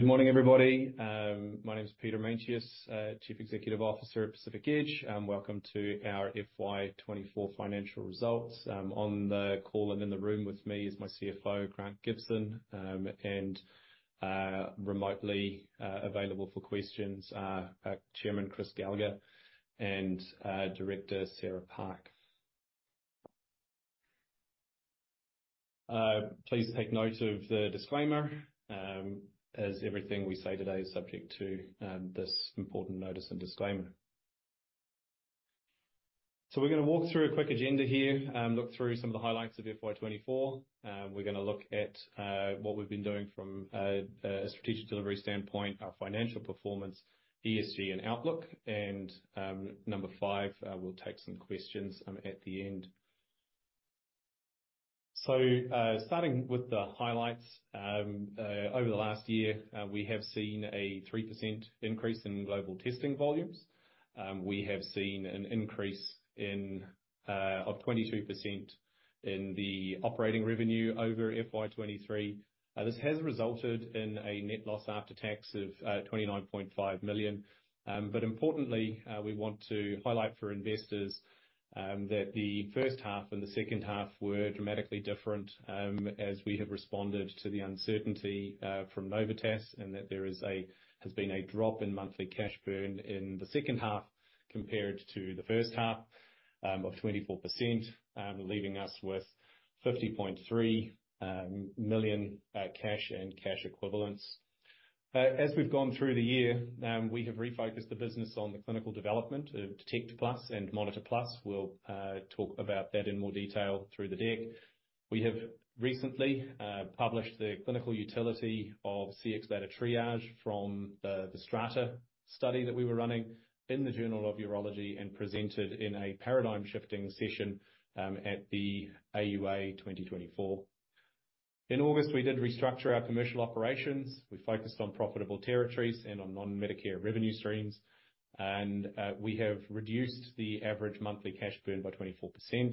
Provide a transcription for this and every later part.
Good morning, everybody. My name is Peter Meintjes, Chief Executive Officer at Pacific Edge, and welcome to our FY 2024 financial results. On the call and in the room with me is my CFO, Grant Gibson, and remotely available for questions, our chairman, Chris Gallagher, and Director Sarah Park. Please take note of the disclaimer, as everything we say today is subject to this important notice and disclaimer. So we're gonna walk through a quick agenda here, look through some of the highlights of FY 2024. We're gonna look at what we've been doing from a strategic delivery standpoint, our financial performance, ESG and outlook, and number five, we'll take some questions at the end. So, starting with the highlights, over the last year, we have seen a 3% increase in global testing volumes. We have seen an increase of 22% in the operating revenue over FY 2023. This has resulted in a net loss after tax of 29.5 million. But importantly, we want to highlight for investors that the first half and the second half were dramatically different, as we have responded to the uncertainty from Novitas, and that there has been a drop in monthly cash burn in the second half compared to the first half of 24%, leaving us with 50.3 million cash and cash equivalents. As we've gone through the year, we have refocused the business on the clinical development of Detect+ and Monitor+. We'll talk about that in more detail through the deck. We have recently published the clinical utility of Cxbladder Triage from the STRATA study that we were running in the Journal of Urology, and presented in a paradigm shifting session at the AUA 2024. In August, we did restructure our commercial operations. We focused on profitable territories and on non-Medicare revenue streams, and we have reduced the average monthly cash burn by 24%.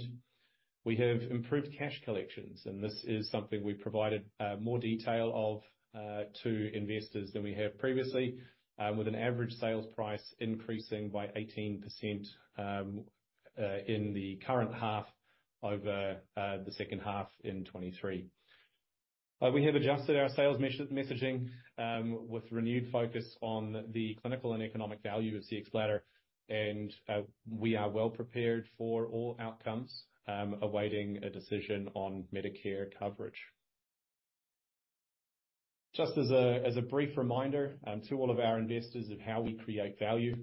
We have improved cash collections, and this is something we've provided more detail of to investors than we have previously, with an average sales price increasing by 18% in the current half over the second half in 2023. We have adjusted our sales messaging, with renewed focus on the clinical and economic value of Cxbladder, and we are well prepared for all outcomes, awaiting a decision on Medicare coverage. Just as a brief reminder to all of our investors of how we create value.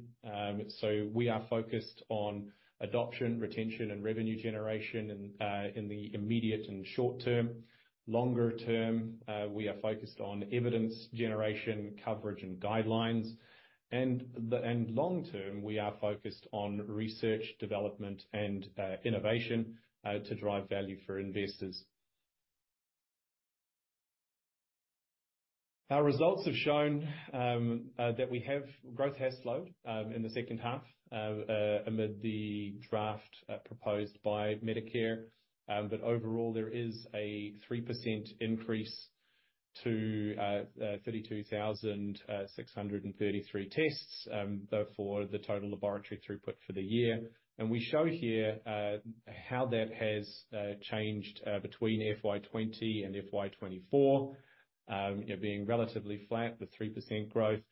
So we are focused on adoption, retention, and revenue generation in the immediate and short term. Longer term, we are focused on evidence generation, coverage, and guidelines, and long term, we are focused on research, development, and innovation to drive value for investors. Our results have shown that growth has slowed in the second half amid the draft proposed by Medicare. But overall, there is a 3% increase to a 32,633 tests, though for the total laboratory throughput for the year. And we show here how that has changed between FY 2020 and FY 2024. You know, being relatively flat, the 3% growth.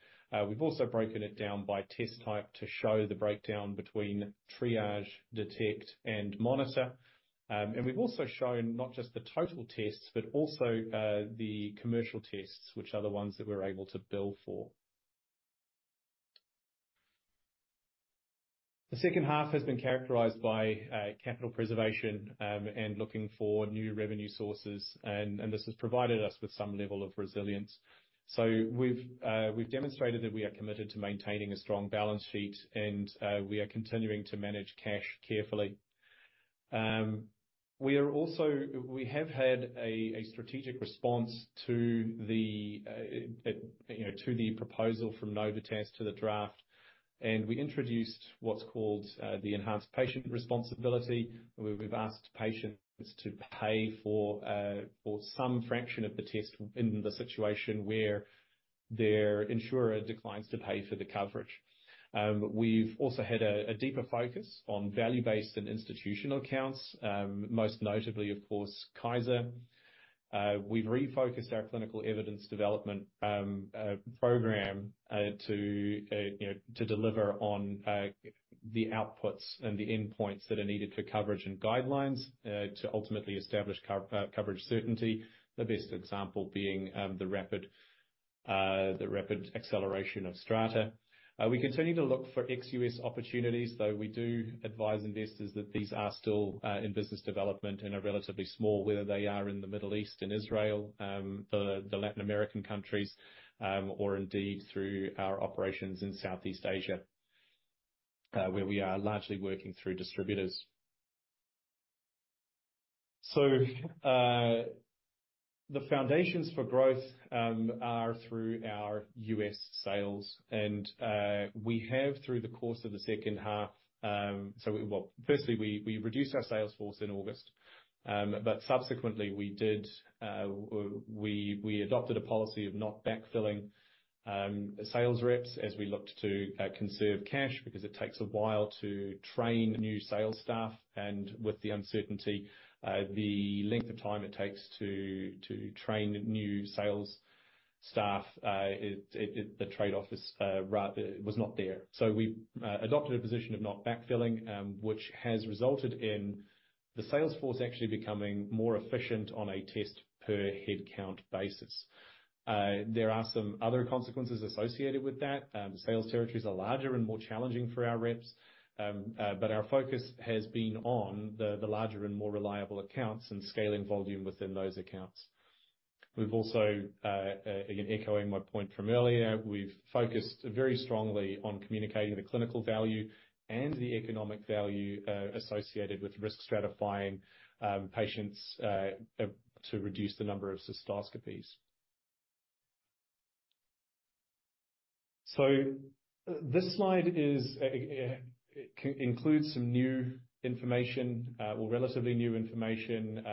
We've also broken it down by test type to show the breakdown between triage, detect, and monitor. And we've also shown not just the total tests, but also the commercial tests, which are the ones that we're able to bill for. The second half has been characterized by capital preservation and looking for new revenue sources, and this has provided us with some level of resilience. So we've demonstrated that we are committed to maintaining a strong balance sheet, and we are continuing to manage cash carefully. We also have had a strategic response to the, you know, to the proposal from Novitas to the draft, and we introduced what's called the Enhanced Patient Responsibility, where we've asked patients to pay for some fraction of the test in the situation where their insurer declines to pay for the coverage. We've also had a deeper focus on value-based and institutional accounts, most notably, of course, Kaiser. We've refocused our clinical evidence development program to, you know, to deliver on the outputs and the endpoints that are needed for coverage and guidelines, to ultimately establish coverage certainty. The best example being the rapid acceleration of STRATA. We continue to look for ex-U.S. opportunities, though we do advise investors that these are still in business development and are relatively small, whether they are in the Middle East and Israel, the Latin American countries, or indeed through our operations in Southeast Asia, where we are largely working through distributors. So, the foundations for growth are through our U.S. sales, and we have through the course of the second half, firstly, we reduced our sales force in August, but subsequently we adopted a policy of not backfilling sales reps as we looked to conserve cash, because it takes a while to train new sales staff. With the uncertainty, the length of time it takes to train new sales staff, the trade-off, rather, was not there. So we adopted a position of not backfilling, which has resulted in the sales force actually becoming more efficient on a test per headcount basis. There are some other consequences associated with that. Sales territories are larger and more challenging for our reps. But our focus has been on the larger and more reliable accounts, and scaling volume within those accounts. We've also, again, echoing my point from earlier, we've focused very strongly on communicating the clinical value and the economic value associated with risk stratifying patients to reduce the number of cystoscopies. So this slide includes some new information, or relatively new information.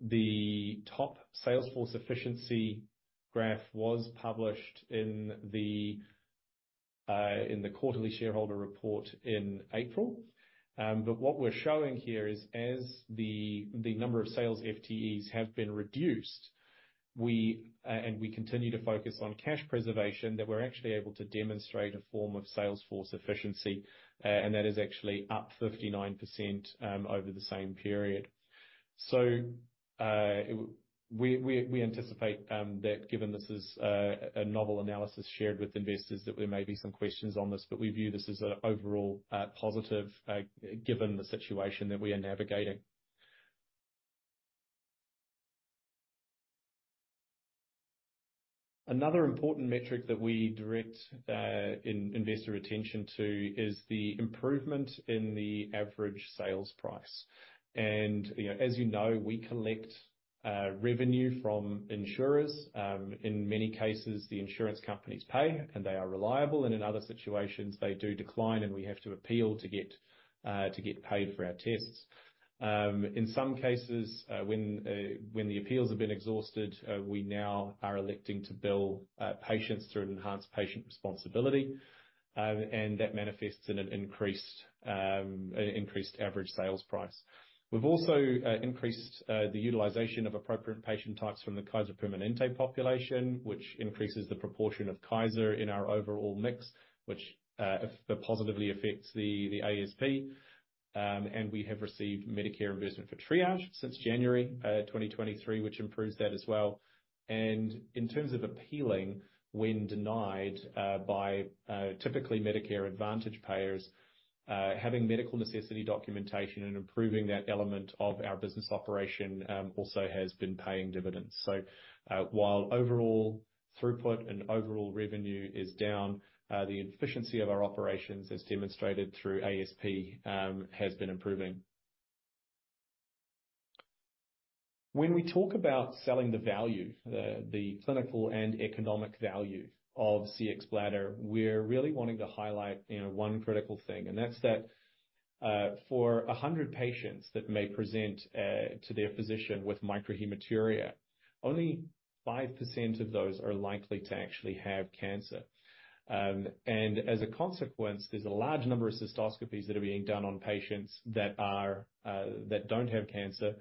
The top sales force efficiency graph was published in the quarterly shareholder report in April. But what we're showing here is, as the number of sales FTEs have been reduced, and we continue to focus on cash preservation, that we're actually able to demonstrate a form of sales force efficiency. And that is actually up 59% over the same period. So we anticipate that given this is a novel analysis shared with investors, that there may be some questions on this, but we view this as an overall positive given the situation that we are navigating. Another important metric that we direct investor attention to is the improvement in the average sales price. You know, as you know, we collect revenue from insurers. In many cases, the insurance companies pay, and they are reliable, and in other situations, they do decline, and we have to appeal to get paid for our tests. In some cases, when the appeals have been exhausted, we now are electing to bill patients through an Enhanced Patient Responsibility. And that manifests in an increased average sales price. We've also increased the utilization of appropriate patient types from the Kaiser Permanente population, which increases the proportion of Kaiser in our overall mix, which positively affects the ASP. And we have received Medicare reimbursement for triage since January 2023, which improves that as well. In terms of appealing, when denied, by typically Medicare Advantage payers, having medical necessity documentation and improving that element of our business operation, also has been paying dividends. While overall throughput and overall revenue is down, the efficiency of our operations, as demonstrated through ASP, has been improving. When we talk about selling the value, the, the clinical and economic value of Cxbladder, we're really wanting to highlight, you know, one critical thing, and that's that, for 100 patients that may present, to their physician with microhematuria, only 5% of those are likely to actually have cancer. And as a consequence, there's a large number of cystoscopies that are being done on patients that are, that don't have cancer,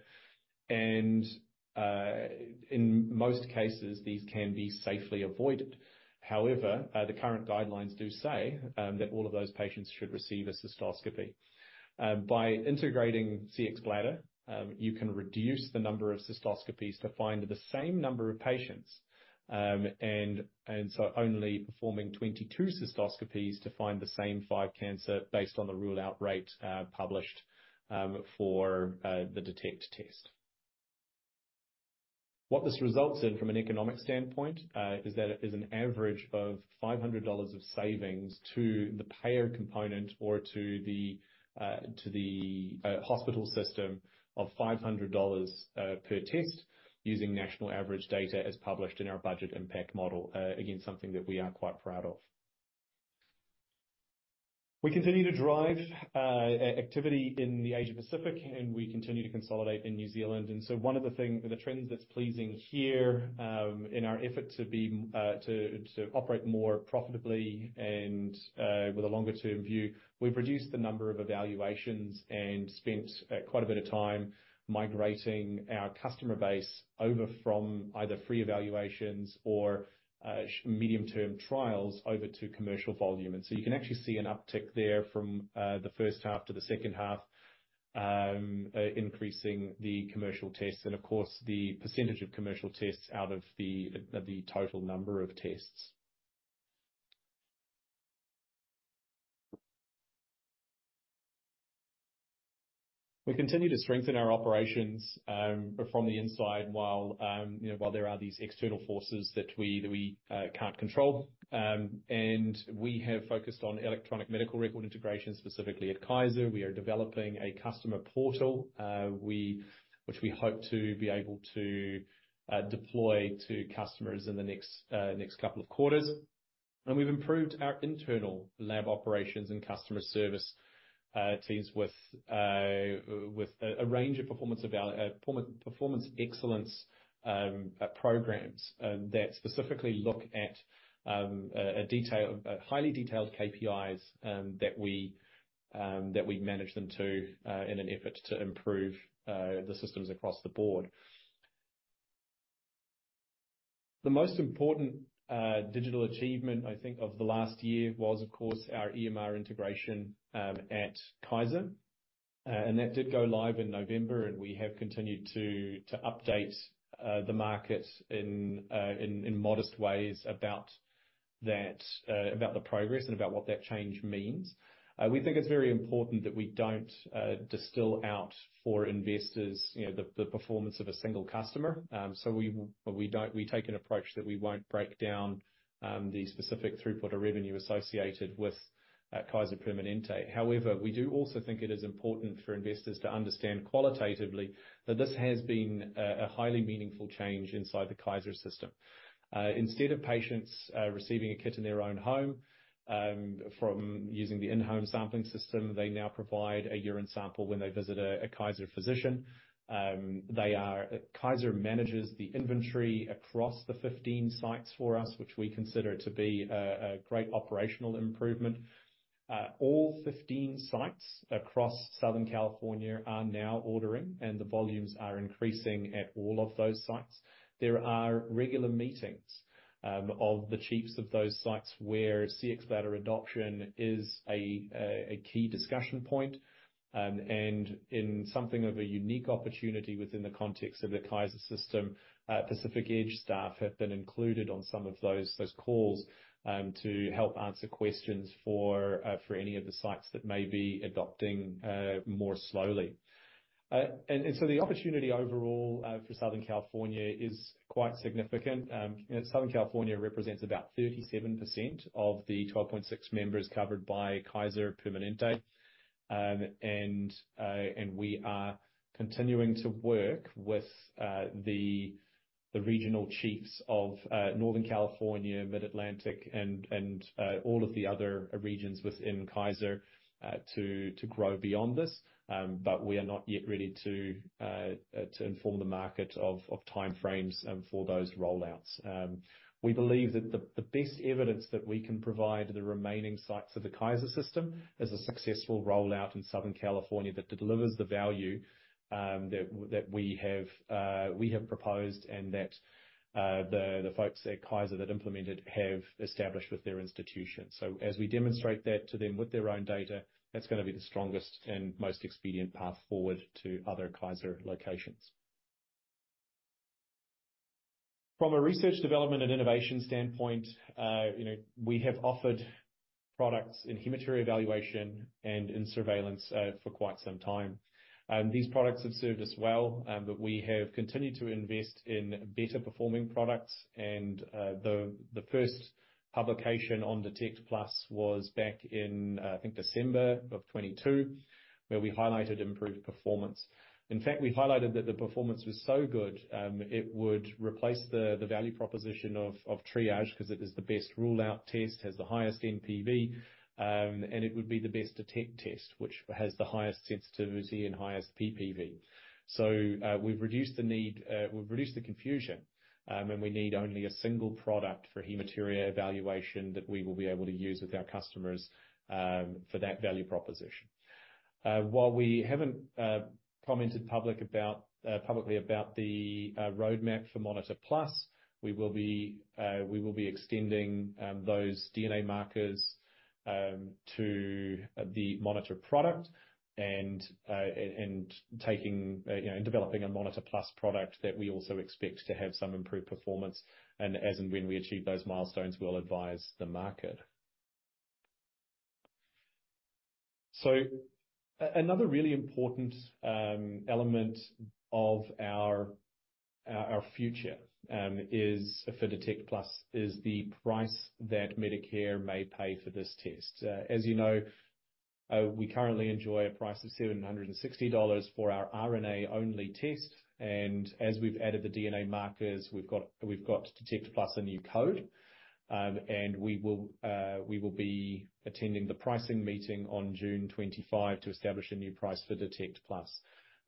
and, in most cases, these can be safely avoided. However, the current guidelines do say that all of those patients should receive a cystoscopy. By integrating Cxbladder, you can reduce the number of cystoscopies to find the same number of patients. And so only performing 22 cystoscopies to find the same five cancer, based on the rule-out rate published for the detect test. What this results in, from an economic standpoint, is that there's an average of $500 of savings to the payer component or to the hospital system of $500 per test using national average data, as published in our budget impact model. Again, something that we are quite proud of. We continue to drive activity in the Asia Pacific, and we continue to consolidate in New Zealand. One of the trends that's pleasing here, in our effort to be to operate more profitably and with a longer-term view, we've reduced the number of evaluations and spent quite a bit of time migrating our customer base over from either free evaluations or medium-term trials over to commercial volume. So you can actually see an uptick there from the first half to the second half, increasing the commercial tests, and of course, the percentage of commercial tests out of the total number of tests. We continue to strengthen our operations from the inside, while you know, while there are these external forces that we can't control. We have focused on electronic medical record integration, specifically at Kaiser. We are developing a customer portal, which we hope to be able to deploy to customers in the next couple of quarters. We've improved our internal lab operations and customer service teams with a range of performance excellence programs that specifically look at a highly detailed KPIs that we manage them to in an effort to improve the systems across the board. The most important digital achievement, I think, of the last year was, of course, our EMR integration at Kaiser. And that did go live in November, and we have continued to update the market in modest ways about that, about the progress and about what that change means. We think it's very important that we don't distill out for investors, you know, the performance of a single customer. So we take an approach that we won't break down the specific throughput of revenue associated with Kaiser Permanente. However, we do also think it is important for investors to understand qualitatively that this has been a highly meaningful change inside the Kaiser system. Instead of patients receiving a kit in their own home from using the in-home sampling system, they now provide a urine sample when they visit a Kaiser physician. Kaiser manages the inventory across the 15 sites for us, which we consider to be a great operational improvement. All 15 sites across Southern California are now ordering, and the volumes are increasing at all of those sites. There are regular meetings of the chiefs of those sites, where Cxbladder adoption is a key discussion point. In something of a unique opportunity within the context of the Kaiser system, Pacific Edge staff have been included on some of those calls to help answer questions for any of the sites that may be adopting more slowly. So the opportunity overall for Southern California is quite significant. You know, Southern California represents about 37% of the 12.6 members covered by Kaiser Permanente. We are continuing to work with the regional chiefs of Northern California, Mid-Atlantic, and all of the other regions within Kaiser to grow beyond this. But we are not yet ready to inform the market of timeframes for those rollouts. We believe that the best evidence that we can provide to the remaining sites of the Kaiser system is a successful rollout in Southern California that delivers the value that we have proposed, and that the folks at Kaiser that implemented have established with their institution. So as we demonstrate that to them with their own data, that's gonna be the strongest and most expedient path forward to other Kaiser locations. From a research development and innovation standpoint, you know, we have offered products in hematuria evaluation and in surveillance for quite some time. These products have served us well, but we have continued to invest in better performing products. The first publication on Detect+ was back in, I think December of 2022, where we highlighted improved performance. In fact, we highlighted that the performance was so good, it would replace the value proposition of Triage, 'cause it is the best rule-out test, has the highest NPV, and it would be the best detect test, which has the highest sensitivity and highest PPV. So, we've reduced the need, we've reduced the confusion, and we need only a single product for hematuria evaluation, that we will be able to use with our customers, for that value proposition. While we haven't commented publicly about the roadmap for Monitor+, we will be extending those DNA markers to the Monitor product. And taking, you know, and developing a Monitor+ product that we also expect to have some improved performance, and as and when we achieve those milestones, we'll advise the market. So another really important element of our future for Detect+ is the price that Medicare may pay for this test. As you know, we currently enjoy a price of $760 for our RNA-only test, and as we've added the DNA markers, we've got Detect+, a new code. And we will be attending the pricing meeting on June 25 to establish a new price for Detect+.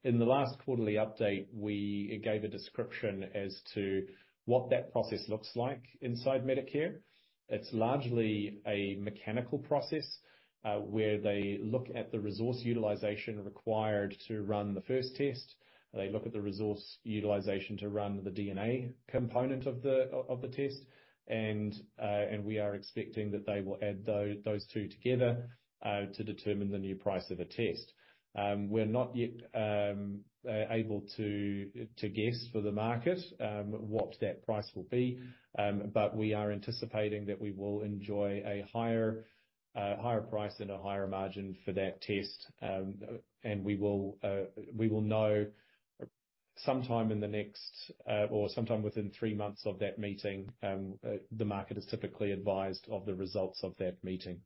In the last quarterly update, we gave a description as to what that process looks like inside Medicare. It's largely a mechanical process, where they look at the resource utilization required to run the first test. They look at the resource utilization to run the DNA component of the test, and we are expecting that they will add those two together to determine the new price of a test. We're not yet able to guess for the market what that price will be. But we are anticipating that we will enjoy a higher higher price and a higher margin for that test. And we will know sometime in the next, or sometime within three months of that meeting, the market is typically advised of the results of that meeting.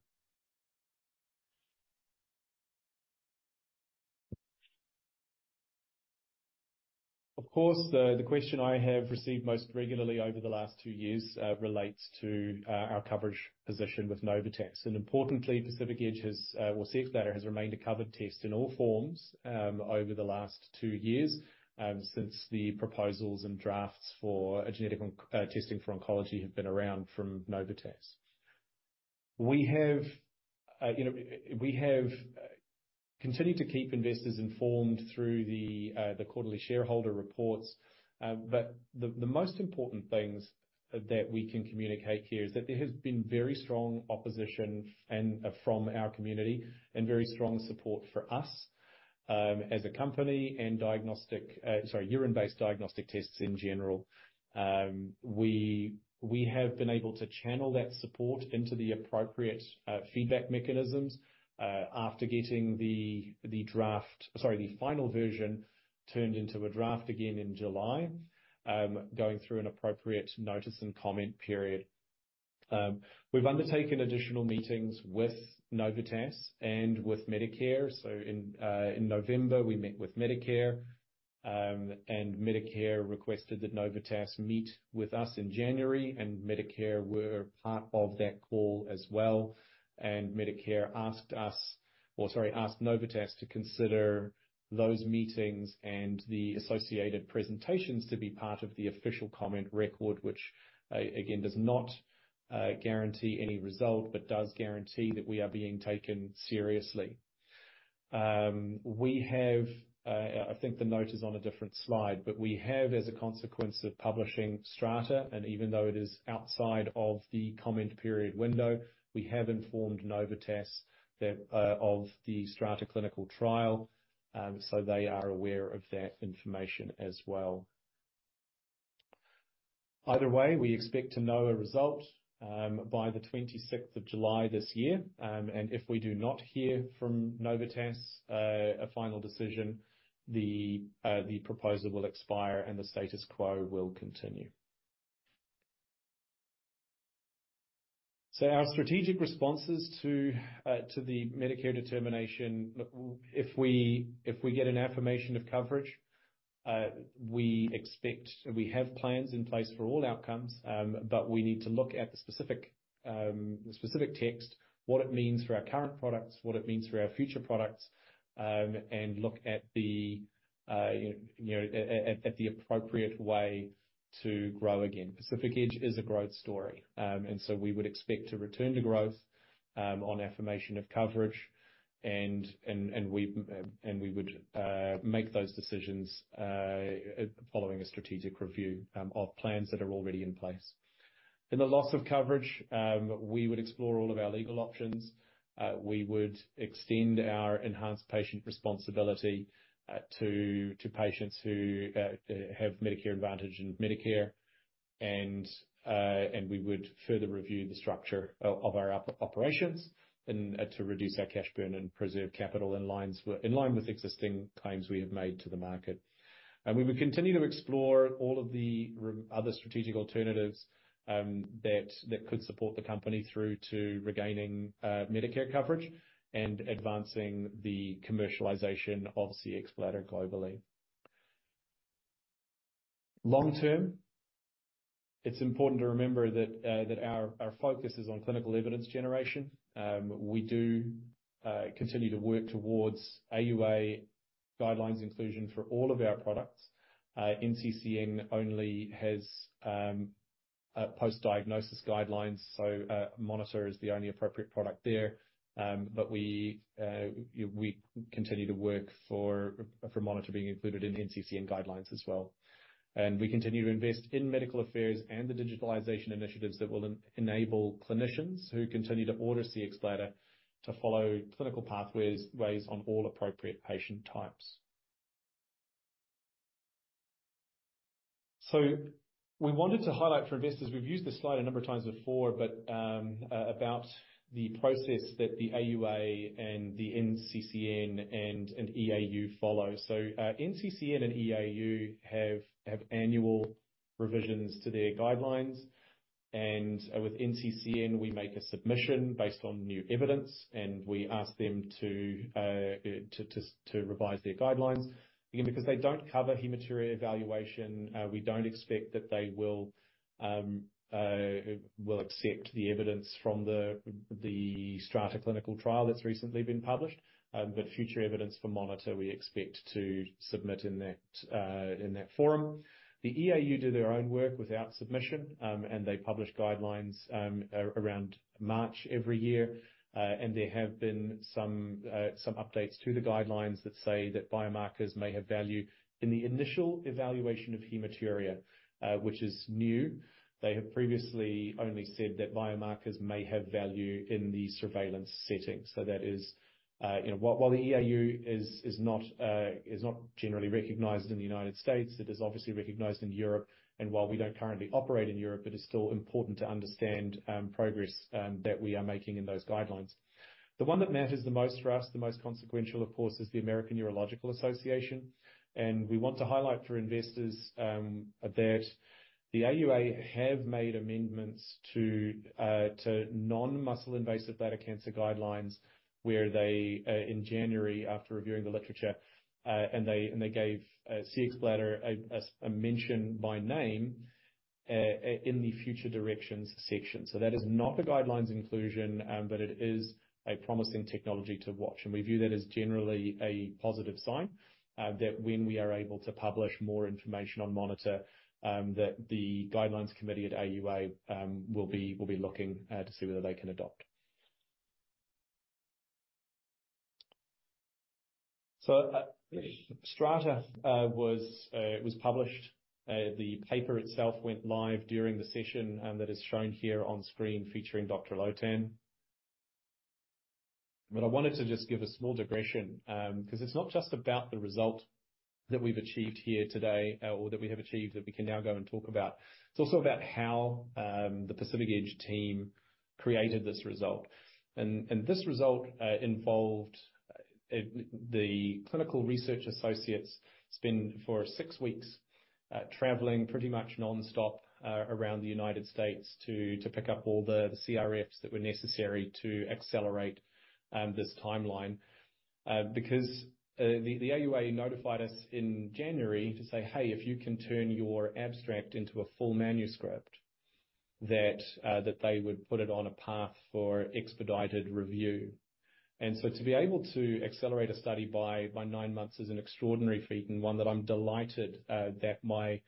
Of course, the question I have received most regularly over the last two years relates to our coverage position with Novitas. And importantly, Pacific Edge has, well, Cxbladder has remained a covered test in all forms over the last two years since the proposals and drafts for a genetic testing for oncology have been around from Novitas. We have, you know, we have continued to keep investors informed through the quarterly shareholder reports. But the most important things that we can communicate here is that there has been very strong opposition from our community, and very strong support for us as a company and diagnostic, sorry, urine-based diagnostic tests in general. We have been able to channel that support into the appropriate feedback mechanisms, after getting the draft—sorry, the final version turned into a draft again in July, going through an appropriate notice and comment period. We've undertaken additional meetings with Novitas and with Medicare. So in November, we met with Medicare, and Medicare requested that Novitas meet with us in January, and Medicare were part of that call as well. And Medicare asked us, or sorry, asked Novitas to consider those meetings and the associated presentations to be part of the official comment record, which again does not guarantee any result, but does guarantee that we are being taken seriously. We have, I think the note is on a different slide, but we have, as a consequence of publishing STRATA, and even though it is outside of the comment period window, we have informed Novitas that of the STRATA clinical trial, so they are aware of that information as well. Either way, we expect to know a result by the 26th of July this year. And if we do not hear from Novitas a final decision, the proposal will expire, and the status quo will continue. So our strategic responses to the Medicare determination. Look, if we get an affirmation of coverage, we have plans in place for all outcomes, but we need to look at the specific text, what it means for our current products, what it means for our future products, and look at the, you know, the appropriate way to grow again. Pacific Edge is a growth story, and so we would expect to return to growth on affirmation of coverage, and we would make those decisions following a strategic review of plans that are already in place. In the loss of coverage, we would explore all of our legal options. We would extend our Enhanced Patient Responsibility to patients who have Medicare Advantage and Medicare. We would further review the structure of our operations and to reduce our cash burn and preserve capital in line with existing claims we have made to the market. We would continue to explore all of the other strategic alternatives that could support the company through to regaining Medicare coverage and advancing the commercialization of Cxbladder globally. Long term, it's important to remember that our focus is on clinical evidence generation. We do continue to work towards AUA guidelines inclusion for all of our products. NCCN only has post-diagnosis guidelines, so Monitor is the only appropriate product there. But we continue to work for Monitor being included in NCCN guidelines as well. We continue to invest in medical affairs and the digitalization initiatives that will enable clinicians who continue to order Cxbladder to follow clinical pathways on all appropriate patient types. So we wanted to highlight for investors, we've used this slide a number of times before, but about the process that the AUA and the NCCN and EAU follow. So NCCN and EAU have annual revisions to their guidelines, and with NCCN, we make a submission based on new evidence, and we ask them to revise their guidelines. Again, because they don't cover hematuria evaluation, we don't expect that they will accept the evidence from the STRATA clinical trial that's recently been published. But future evidence for Monitor, we expect to submit in that forum. The EAU do their own work without submission, and they publish guidelines around March every year. There have been some updates to the guidelines that say that biomarkers may have value in the initial evaluation of hematuria, which is new. They have previously only said that biomarkers may have value in the surveillance setting. So that is, you know, while the EAU is not generally recognized in the United States, it is obviously recognized in Europe, and while we don't currently operate in Europe, it is still important to understand progress that we are making in those guidelines. The one that matters the most for us, the most consequential, of course, is the American Urological Association. We want to highlight for investors that the AUA have made amendments to non-muscle invasive bladder cancer guidelines, where they in January, after reviewing the literature, and they gave Cxbladder a mention by name in the future directions section. So that is not the guidelines inclusion, but it is a promising technology to watch. And we view that as generally a positive sign that when we are able to publish more information on monitor that the guidelines committee at AUA will be looking to see whether they can adopt. So, Strata was published. The paper itself went live during the session that is shown here on screen featuring Dr. Lotan. But I wanted to just give a small digression, because it's not just about the result that we've achieved here today, or that we have achieved, that we can now go and talk about. It's also about how, the Pacific Edge team created this result. And this result, involved, the clinical research associates spend for 6 weeks, traveling pretty much nonstop, around the United States to pick up all the CRFs that were necessary to accelerate, this timeline. Because, the AUA notified us in January to say, "Hey, if you can turn your abstract into a full manuscript," that they would put it on a path for expedited review. To be able to accelerate a study by nine months is an extraordinary feat, and one that I'm delighted that my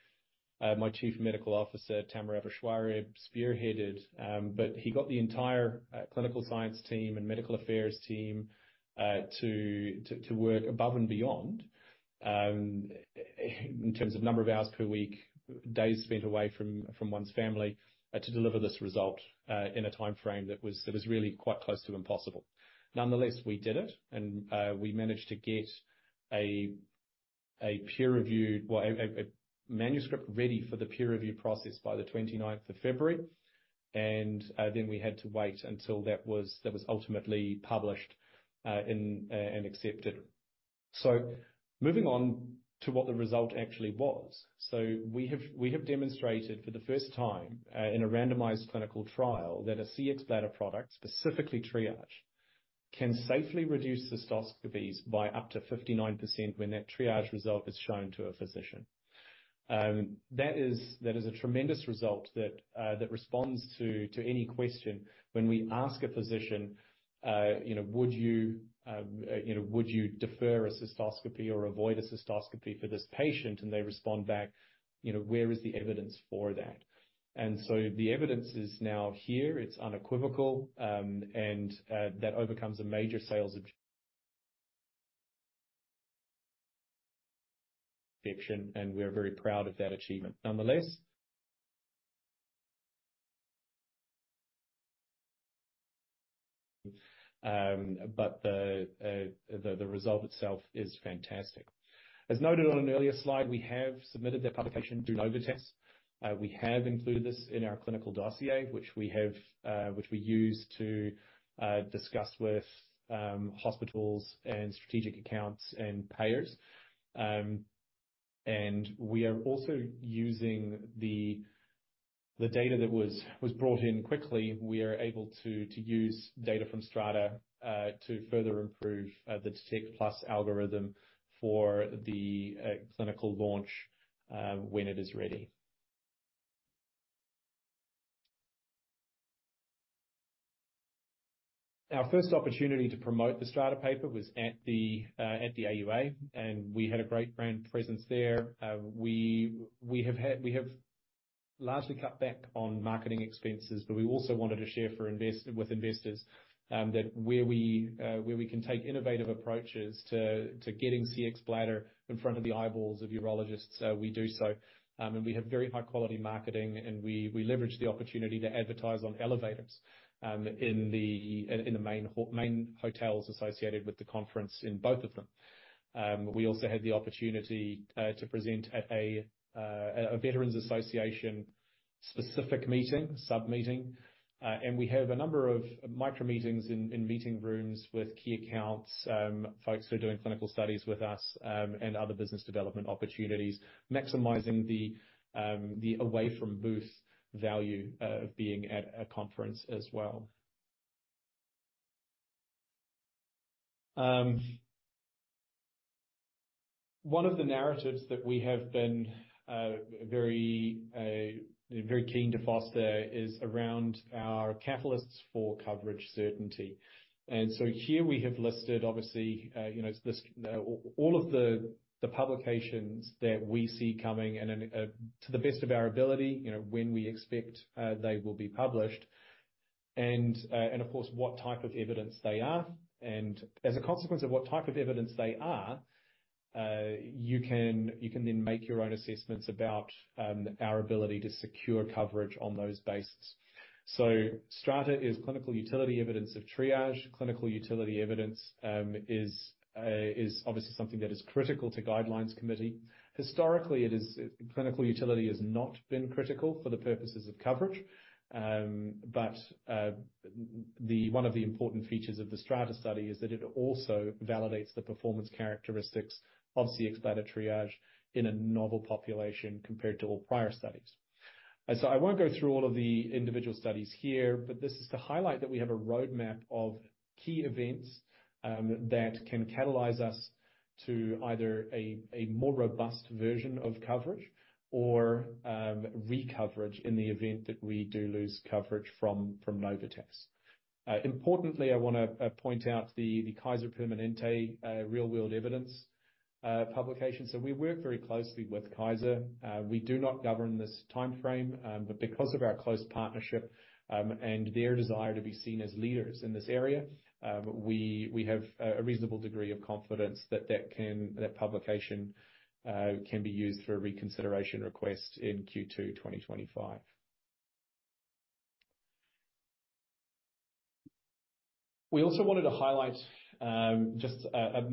Chief Medical Officer, Tamer Aboushwareb, spearheaded. But he got the entire clinical science team and medical affairs team to work above and beyond in terms of number of hours per week, days spent away from one's family to deliver this result in a time frame that was really quite close to impossible. Nonetheless, we did it, and we managed to get a manuscript ready for the peer review process by the twenty-ninth of February, and then we had to wait until that was ultimately published and accepted. So moving on to what the result actually was. So we have demonstrated for the first time in a randomized clinical trial that a Cxbladder product, specifically Triage, can safely reduce cystoscopies by up to 59% when that Triage result is shown to a physician. That is a tremendous result that responds to any question when we ask a physician, you know, "Would you, you know, would you defer a cystoscopy or avoid a cystoscopy for this patient?" And they respond back, "You know, where is the evidence for that?" And so the evidence is now here. It's unequivocal, and that overcomes a major sales objection, and we are very proud of that achievement. Nonetheless, but the result itself is fantastic. As noted on an earlier slide, we have submitted that publication through Novitas. We have included this in our clinical dossier, which we have, which we use to discuss with hospitals and strategic accounts and payers. And we are also using the data that was brought in quickly. We are able to use data from Strata to further improve the Detect+ algorithm for the clinical launch when it is ready. Our first opportunity to promote the Strata paper was at the AUA, and we had a great brand presence there. We have largely cut back on marketing expenses, but we also wanted to share with investors that where we can take innovative approaches to getting Cxbladder in front of the eyeballs of urologists, we do so. And we have very high-quality marketing, and we leverage the opportunity to advertise on elevators, in the main hotels associated with the conference in both of them. We also had the opportunity to present at a Veterans Association specific meeting, sub-meeting, and we have a number of micro meetings in meeting rooms with key accounts, folks who are doing clinical studies with us, and other business development opportunities, maximizing the away from booth value of being at a conference as well. One of the narratives that we have been very very keen to foster is around our catalysts for coverage certainty. Here we have listed, obviously, you know, this, all of the publications that we see coming and, to the best of our ability, you know, when we expect they will be published, and of course, what type of evidence they are. As a consequence of what type of evidence they are, you can then make your own assessments about our ability to secure coverage on those bases. So STRATA is clinical utility evidence of Triage. Clinical utility evidence is obviously something that is critical to guidelines committee. Historically, clinical utility has not been critical for the purposes of coverage, but the one of the important features of the STRATA study is that it also validates the performance characteristics of Cxbladder Triage in a novel population compared to all prior studies. And so I won't go through all of the individual studies here, but this is to highlight that we have a roadmap of key events that can catalyze us to either a more robust version of coverage or re-coverage in the event that we do lose coverage from Novitas. Importantly, I wanna point out the Kaiser Permanente real-world evidence publication. So we work very closely with Kaiser. We do not govern this time frame, but because of our close partnership, and their desire to be seen as leaders in this area, we have a reasonable degree of confidence that that publication can be used for a reconsideration request in Q2 2025. We also wanted to highlight just a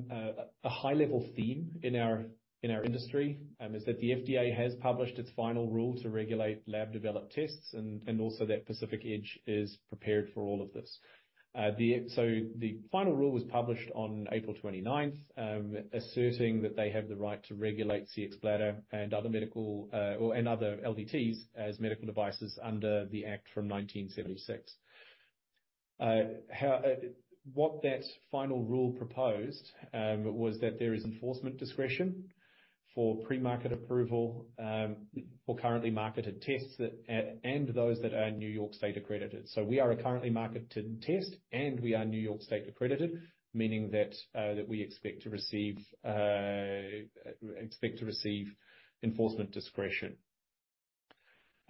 high-level theme in our industry is that the FDA has published its final rule to regulate lab-developed tests, and also that Pacific Edge is prepared for all of this. So the final rule was published on April 29, asserting that they have the right to regulate Cxbladder and other medical, or, and other LDTs as medical devices under the act from 1976. What that final rule proposed was that there is enforcement discretion for pre-market approval for currently marketed tests that and those that are New York State accredited. So we are a currently marketed test, and we are New York State accredited, meaning that we expect to receive enforcement discretion.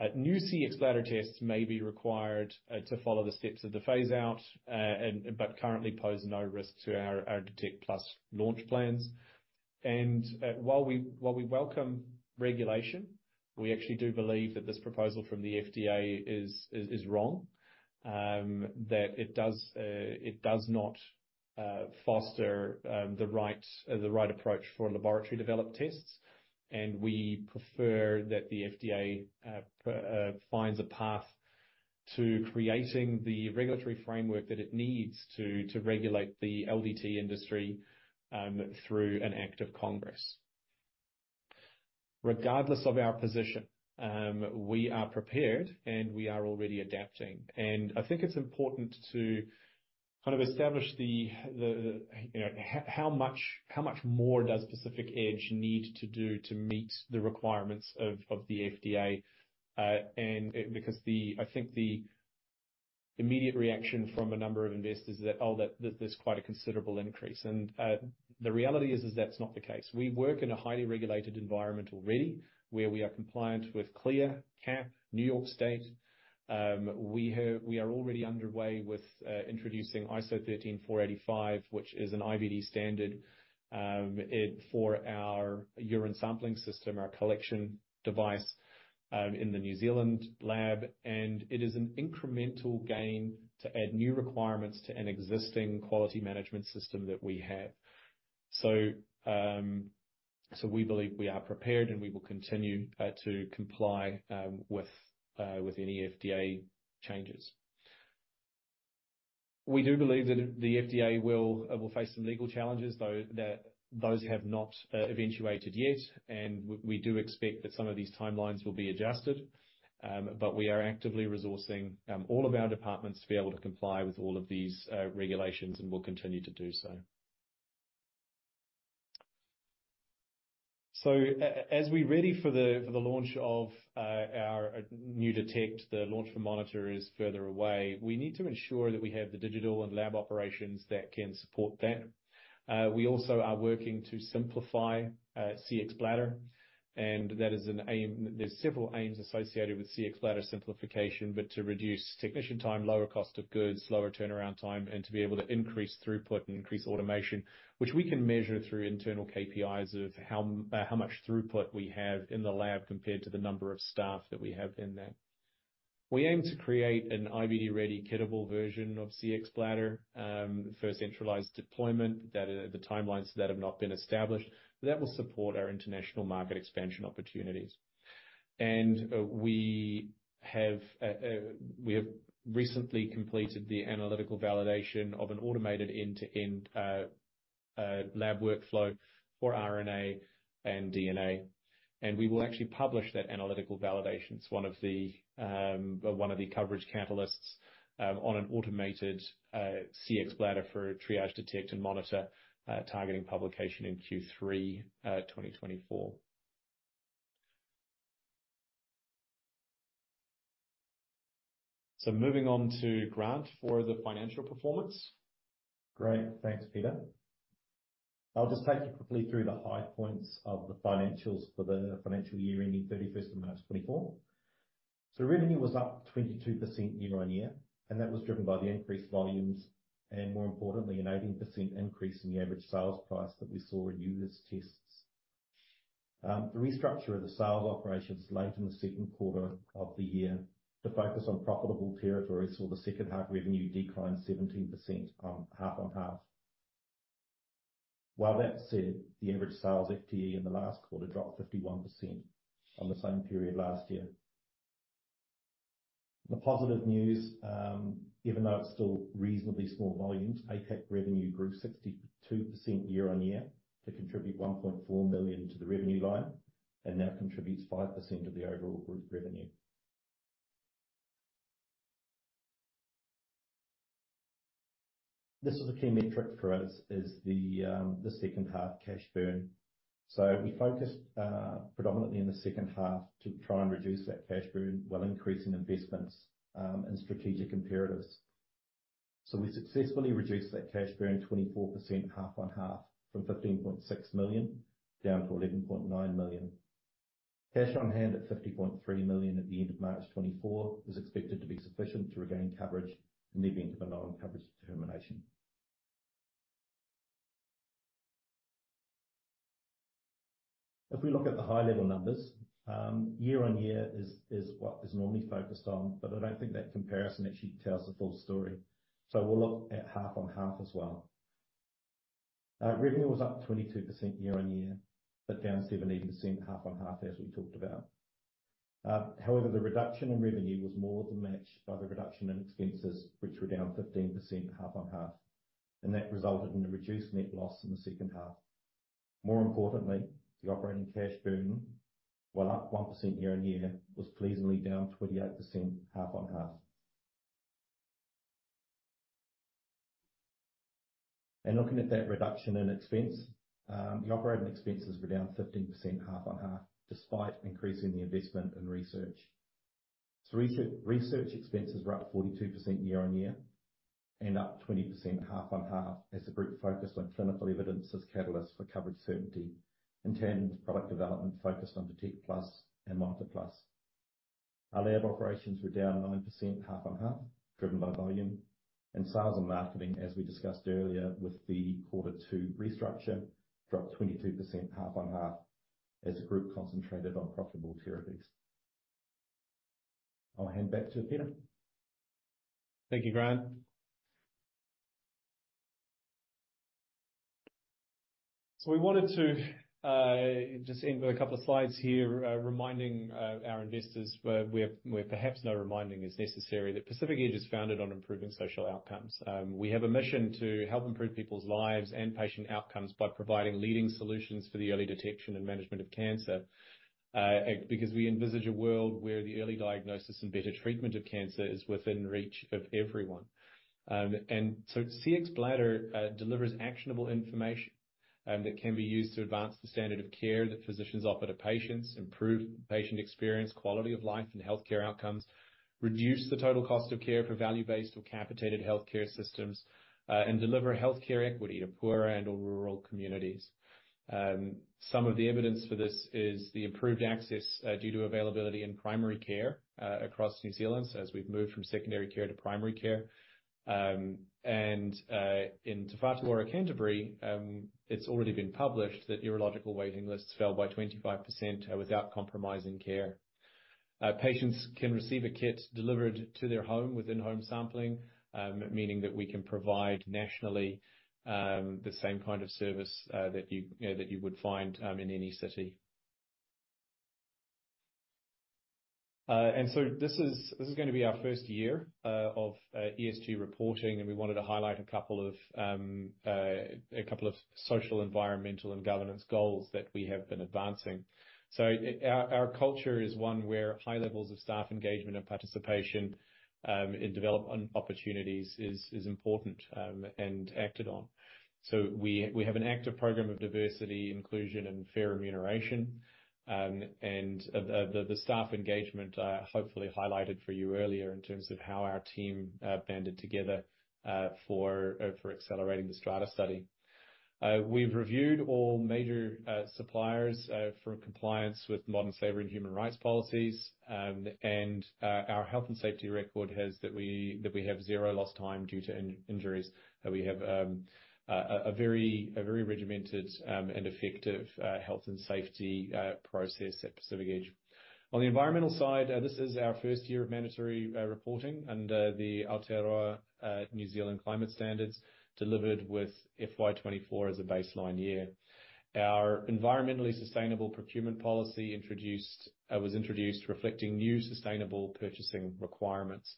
Any new Cxbladder tests may be required to follow the steps of the phase out, but currently pose no risk to our Detect+ launch plans. And while we welcome regulation, we actually do believe that this proposal from the FDA is wrong, that it does not foster the right approach for laboratory-developed tests. We prefer that the FDA finds a path to creating the regulatory framework that it needs to regulate the LDT industry through an act of Congress. Regardless of our position, we are prepared, and we are already adapting. I think it's important to kind of establish you know how much more does Pacific Edge need to do to meet the requirements of the FDA? And because I think the immediate reaction from a number of investors is that oh that there's quite a considerable increase, and the reality is that's not the case. We work in a highly regulated environment already, where we are compliant with CLIA, CAP, New York State. We are already underway with introducing ISO 13485, which is an IVD standard, for our urine sampling system, our collection device, in the New Zealand lab. It is an incremental gain to add new requirements to an existing quality management system that we have. We believe we are prepared, and we will continue to comply with any FDA changes. We do believe that the FDA will face some legal challenges, though, that those have not eventuated yet, and we do expect that some of these timelines will be adjusted. But we are actively resourcing all of our departments to be able to comply with all of these regulations, and will continue to do so. So as we ready for the, for the launch of, our new Detect, the launch for Monitor is further away. We need to ensure that we have the digital and lab operations that can support that. We also are working to simplify Cxbladder, and that is an aim. There's several aims associated with Cxbladder simplification, but to reduce technician time, lower cost of goods, lower turnaround time, and to be able to increase throughput and increase automation. Which we can measure through internal KPIs of how, how much throughput we have in the lab compared to the number of staff that we have in there. We aim to create an IVD-ready, kittable version of Cxbladder. First centralized deployment, that, the timelines that have not been established, but that will support our international market expansion opportunities. We have recently completed the analytical validation of an automated end-to-end lab workflow for RNA and DNA. We will actually publish that analytical validation. It's one of the coverage catalysts on an automated Cxbladder for Triage, Detect, and Monitor, targeting publication in Q3 2024. Moving on to Grant for the financial performance. Great. Thanks, Peter. I'll just take you quickly through the high points of the financials for the financial year ending thirty-first of March, 2024. So revenue was up 22% year-on-year, and that was driven by the increased volumes, and more importantly, an 18% increase in the average sales price that we saw in U.S. tests. The restructure of the sales operations late in the second quarter of the year, to focus on profitable territories, saw the second half revenue decline 17% half-on-half. While that said, the average sales per FTE in the last quarter dropped 51% on the same period last year. The positive news, even though it's still reasonably small volumes, APAC revenue grew 62% year-on-year, to contribute 1.4 million to the revenue line, and now contributes 5% of the overall group revenue. This is a key metric for us, the second half cash burn. So we focused predominantly in the second half to try and reduce that cash burn while increasing investments and strategic imperatives. So we successfully reduced that cash burn 24% half-on-half, from 15.6 million down to 11.9 million. Cash on hand at 50.3 million at the end of March 2024 is expected to be sufficient to regain coverage in the event of a non-coverage determination. If we look at the high-level numbers, year-on-year is what is normally focused on, but I don't think that comparison actually tells the full story. So we'll look at half-on-half as well. Revenue was up 22% year-on-year, but down 17% half-on-half, as we talked about. However, the reduction in revenue was more than matched by the reduction in expenses, which were down 15% half-on-half, and that resulted in a reduced net loss in the second half. More importantly, the operating cash burn, while up 1% year-on-year, was pleasingly down 28% half-on-half. Looking at that reduction in expense, the operating expenses were down 15% half-on-half, despite increasing the investment in research. Research expenses were up 42% year-on-year and up 20% half-on-half, as the group focused on clinical evidence as catalyst for coverage certainty, in turn, with product development focused on Detect+ and Monitor+. Our lab operations were down 9% half-on-half, driven by volume, and sales and marketing, as we discussed earlier with the Quarter 2 restructure, dropped 22% half-on-half as the group concentrated on profitable territories. I'll hand back to Peter. Thank you, Grant. So we wanted to just end with a couple of slides here, reminding our investors where perhaps no reminding is necessary, that Pacific Edge is founded on improving social outcomes. We have a mission to help improve people's lives and patient outcomes by providing leading solutions for the early detection and management of cancer. Because we envisage a world where the early diagnosis and better treatment of cancer is within reach of everyone. And so Cxbladder delivers actionable information that can be used to advance the standard of care that physicians offer to patients, improve patient experience, quality of life, and healthcare outcomes, reduce the total cost of care for value-based or capitated healthcare systems, and deliver healthcare equity to poorer and/or rural communities. Some of the evidence for this is the improved access due to availability in primary care across New Zealand as we've moved from secondary care to primary care. In Te Whatu Ora, Canterbury, it's already been published that urological waiting lists fell by 25% without compromising care. Patients can receive a kit delivered to their home within home sampling, meaning that we can provide nationally the same kind of service that you would find in any city. And so this is gonna be our first year of ESG reporting, and we wanted to highlight a couple of social, environmental, and governance goals that we have been advancing. So our culture is one where high levels of staff engagement and participation in development opportunities is important and acted on. So we have an active program of diversity, inclusion, and fair remuneration. And the staff engagement hopefully highlighted for you earlier in terms of how our team banded together for accelerating the STRATA study. We've reviewed all major suppliers for compliance with modern slavery and human rights policies. And our health and safety record has that we have zero lost time due to injuries. That we have a very regimented and effective health and safety process at Pacific Edge. On the environmental side, this is our first year of mandatory reporting under the Aotearoa New Zealand Climate Standards, delivered with FY 2024 as a baseline year. Our environmentally sustainable procurement policy was introduced reflecting new sustainable purchasing requirements.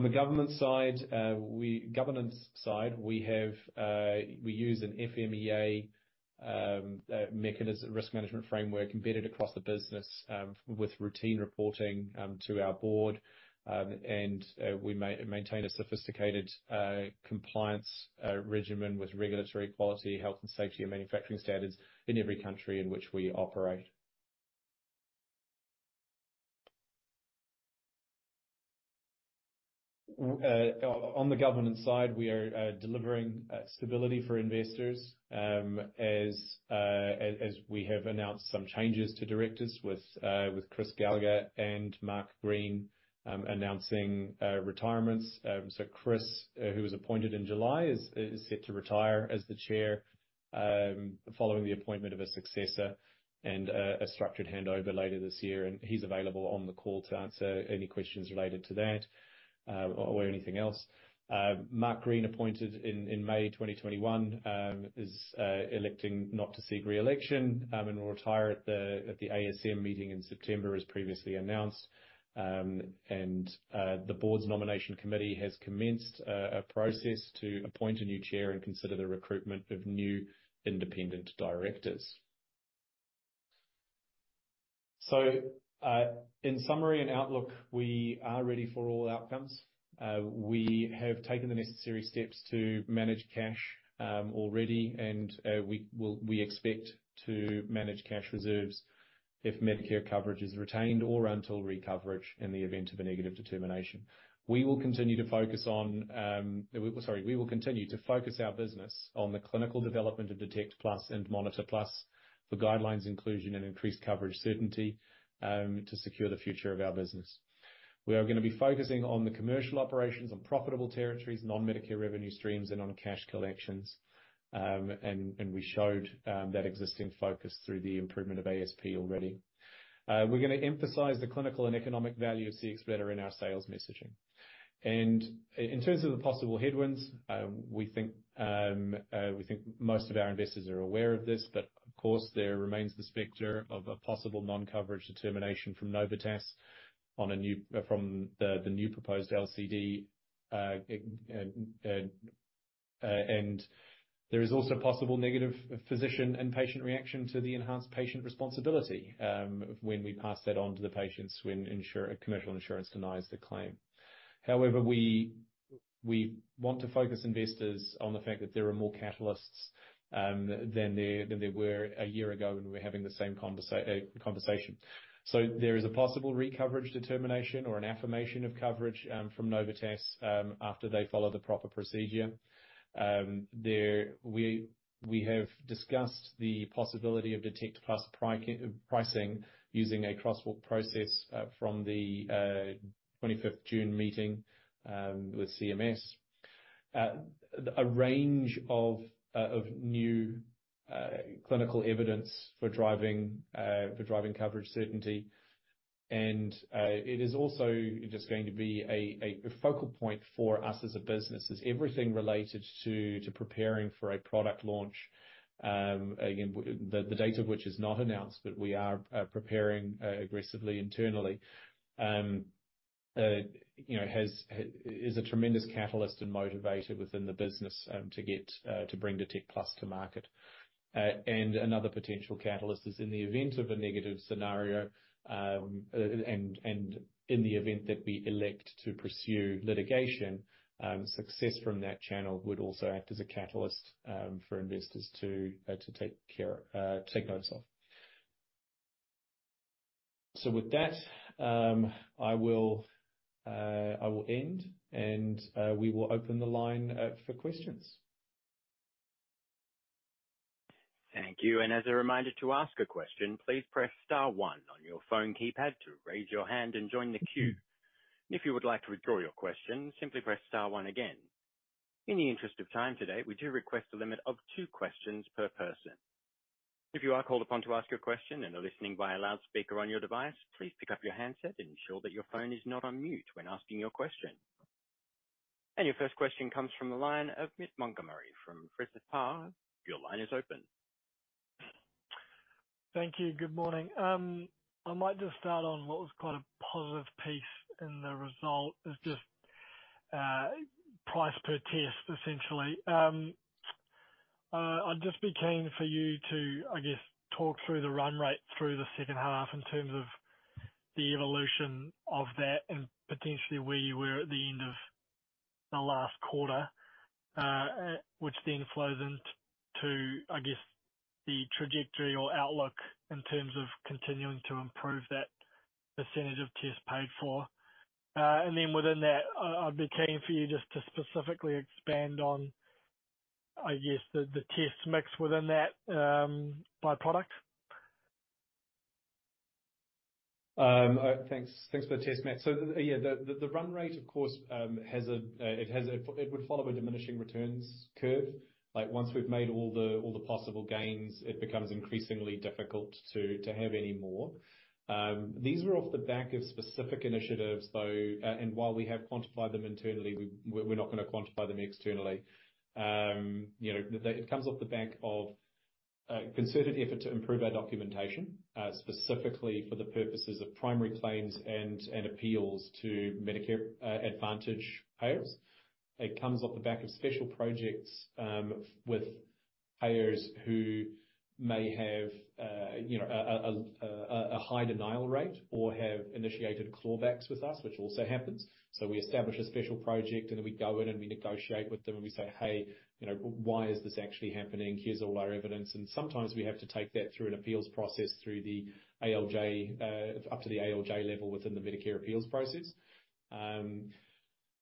From a governance side, we use an FMEA mechanism, risk management framework embedded across the business, with routine reporting to our board. And we maintain a sophisticated compliance regimen with regulatory quality, health and safety, and manufacturing standards in every country in which we operate. On the governance side, we are delivering stability for investors, as we have announced some changes to directors with Chris Gallagher and Mark Green announcing retirements. So Chris, who was appointed in July, is set to retire as the Chair, following the appointment of a successor and a structured handover later this year. He's available on the call to answer any questions related to that, or anything else. Mark Green, appointed in May 2021, is electing not to seek re-election, and will retire at the ASM meeting in September, as previously announced. The Board's nomination committee has commenced a process to appoint a new Chair and consider the recruitment of new independent directors. So, in summary and outlook, we are ready for all outcomes. We have taken the necessary steps to manage cash already, and we will expect to manage cash reserves if Medicare coverage is retained or until recoverage in the event of a negative determination. We will continue to focus our business on the clinical development of Detect+ and Monitor+ for guidelines inclusion, and increased coverage certainty to secure the future of our business. We are gonna be focusing on the commercial operations on profitable territories, non-Medicare revenue streams, and on cash collections. And we showed that existing focus through the improvement of ASP already. We're gonna emphasize the clinical and economic value of Cxbladder in our sales messaging. In terms of the possible headwinds, we think most of our investors are aware of this, but of course, there remains the specter of a possible non-coverage determination from Novitas on a new, from the new proposed LCD, and there is also possible negative physician and patient reaction to the Enhanced Patient Responsibility, when we pass that on to the patients, when insurance commercial insurance denies the claim. However, we want to focus investors on the fact that there are more catalysts than there were a year ago when we were having the same conversation. So there is a possible re-coverage determination or an affirmation of coverage from Novitas, after they follow the proper procedure. There we, we have discussed the possibility of Detect+ pricing using a crosswalk process, from the 25th June meeting, with CMS. A range of new clinical evidence for driving coverage certainty. It is also just going to be a focal point for us as a business, is everything related to preparing for a product launch. Again, the date of which is not announced, but we are preparing aggressively internally. You know, has... is a tremendous catalyst and motivator within the business, to get to bring Detect+ to market. Another potential catalyst is in the event of a negative scenario, and in the event that we elect to pursue litigation, success from that channel would also act as a catalyst for investors to take notice of. So with that, I will end, and we will open the line for questions. Thank you. And as a reminder, to ask a question, please press star one on your phone keypad to raise your hand and join the queue. If you would like to withdraw your question, simply press star one again. In the interest of time today, we do request a limit of two questions per person. If you are called upon to ask a question and are listening via loudspeaker on your device, please pick up your handset and ensure that your phone is not on mute when asking your question. And your first question comes from the line of Matt Montgomerie from Forsyth Barr. Your line is open. Thank you. Good morning. I might just start on what was quite a positive piece in the result, is just price per test, essentially. I'd just be keen for you to, I guess, talk through the run rate through the second half in terms of the evolution of that and potentially where you were at the end of the last quarter. Which then flows into, to, I guess, the trajectory or outlook in terms of continuing to improve that percentage of tests paid for. And then within that, I'd be keen for you just to specifically expand on, I guess, the test mix within that, by product. Thanks for the test, Matt. So yeah, the run rate, of course, has a, it would follow a diminishing returns curve. Like, once we've made all the possible gains, it becomes increasingly difficult to have any more. These were off the back of specific initiatives, though. And while we have quantified them internally, we're not going to quantify them externally. You know, it comes off the back of a concerted effort to improve our documentation, specifically for the purposes of primary claims and appeals to Medicare Advantage payers. It comes off the back of special projects with payers who may have, you know, a high denial rate or have initiated clawbacks with us, which also happens. So we establish a special project, and then we go in and we negotiate with them, and we say, "Hey, you know, why is this actually happening? Here's all our evidence." And sometimes we have to take that through an appeals process, through the ALJ, up to the ALJ level within the Medicare appeals process.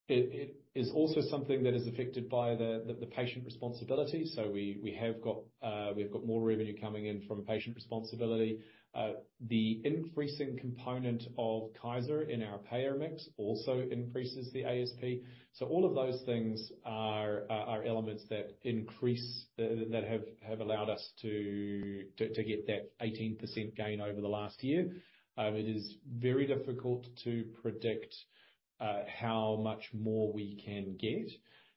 It is also something that is affected by the patient responsibility. So we have got more revenue coming in from patient responsibility. The increasing component of Kaiser in our payer mix also increases the ASP. So all of those things are elements that increase that have allowed us to get that 18% gain over the last year. It is very difficult to predict how much more we can get.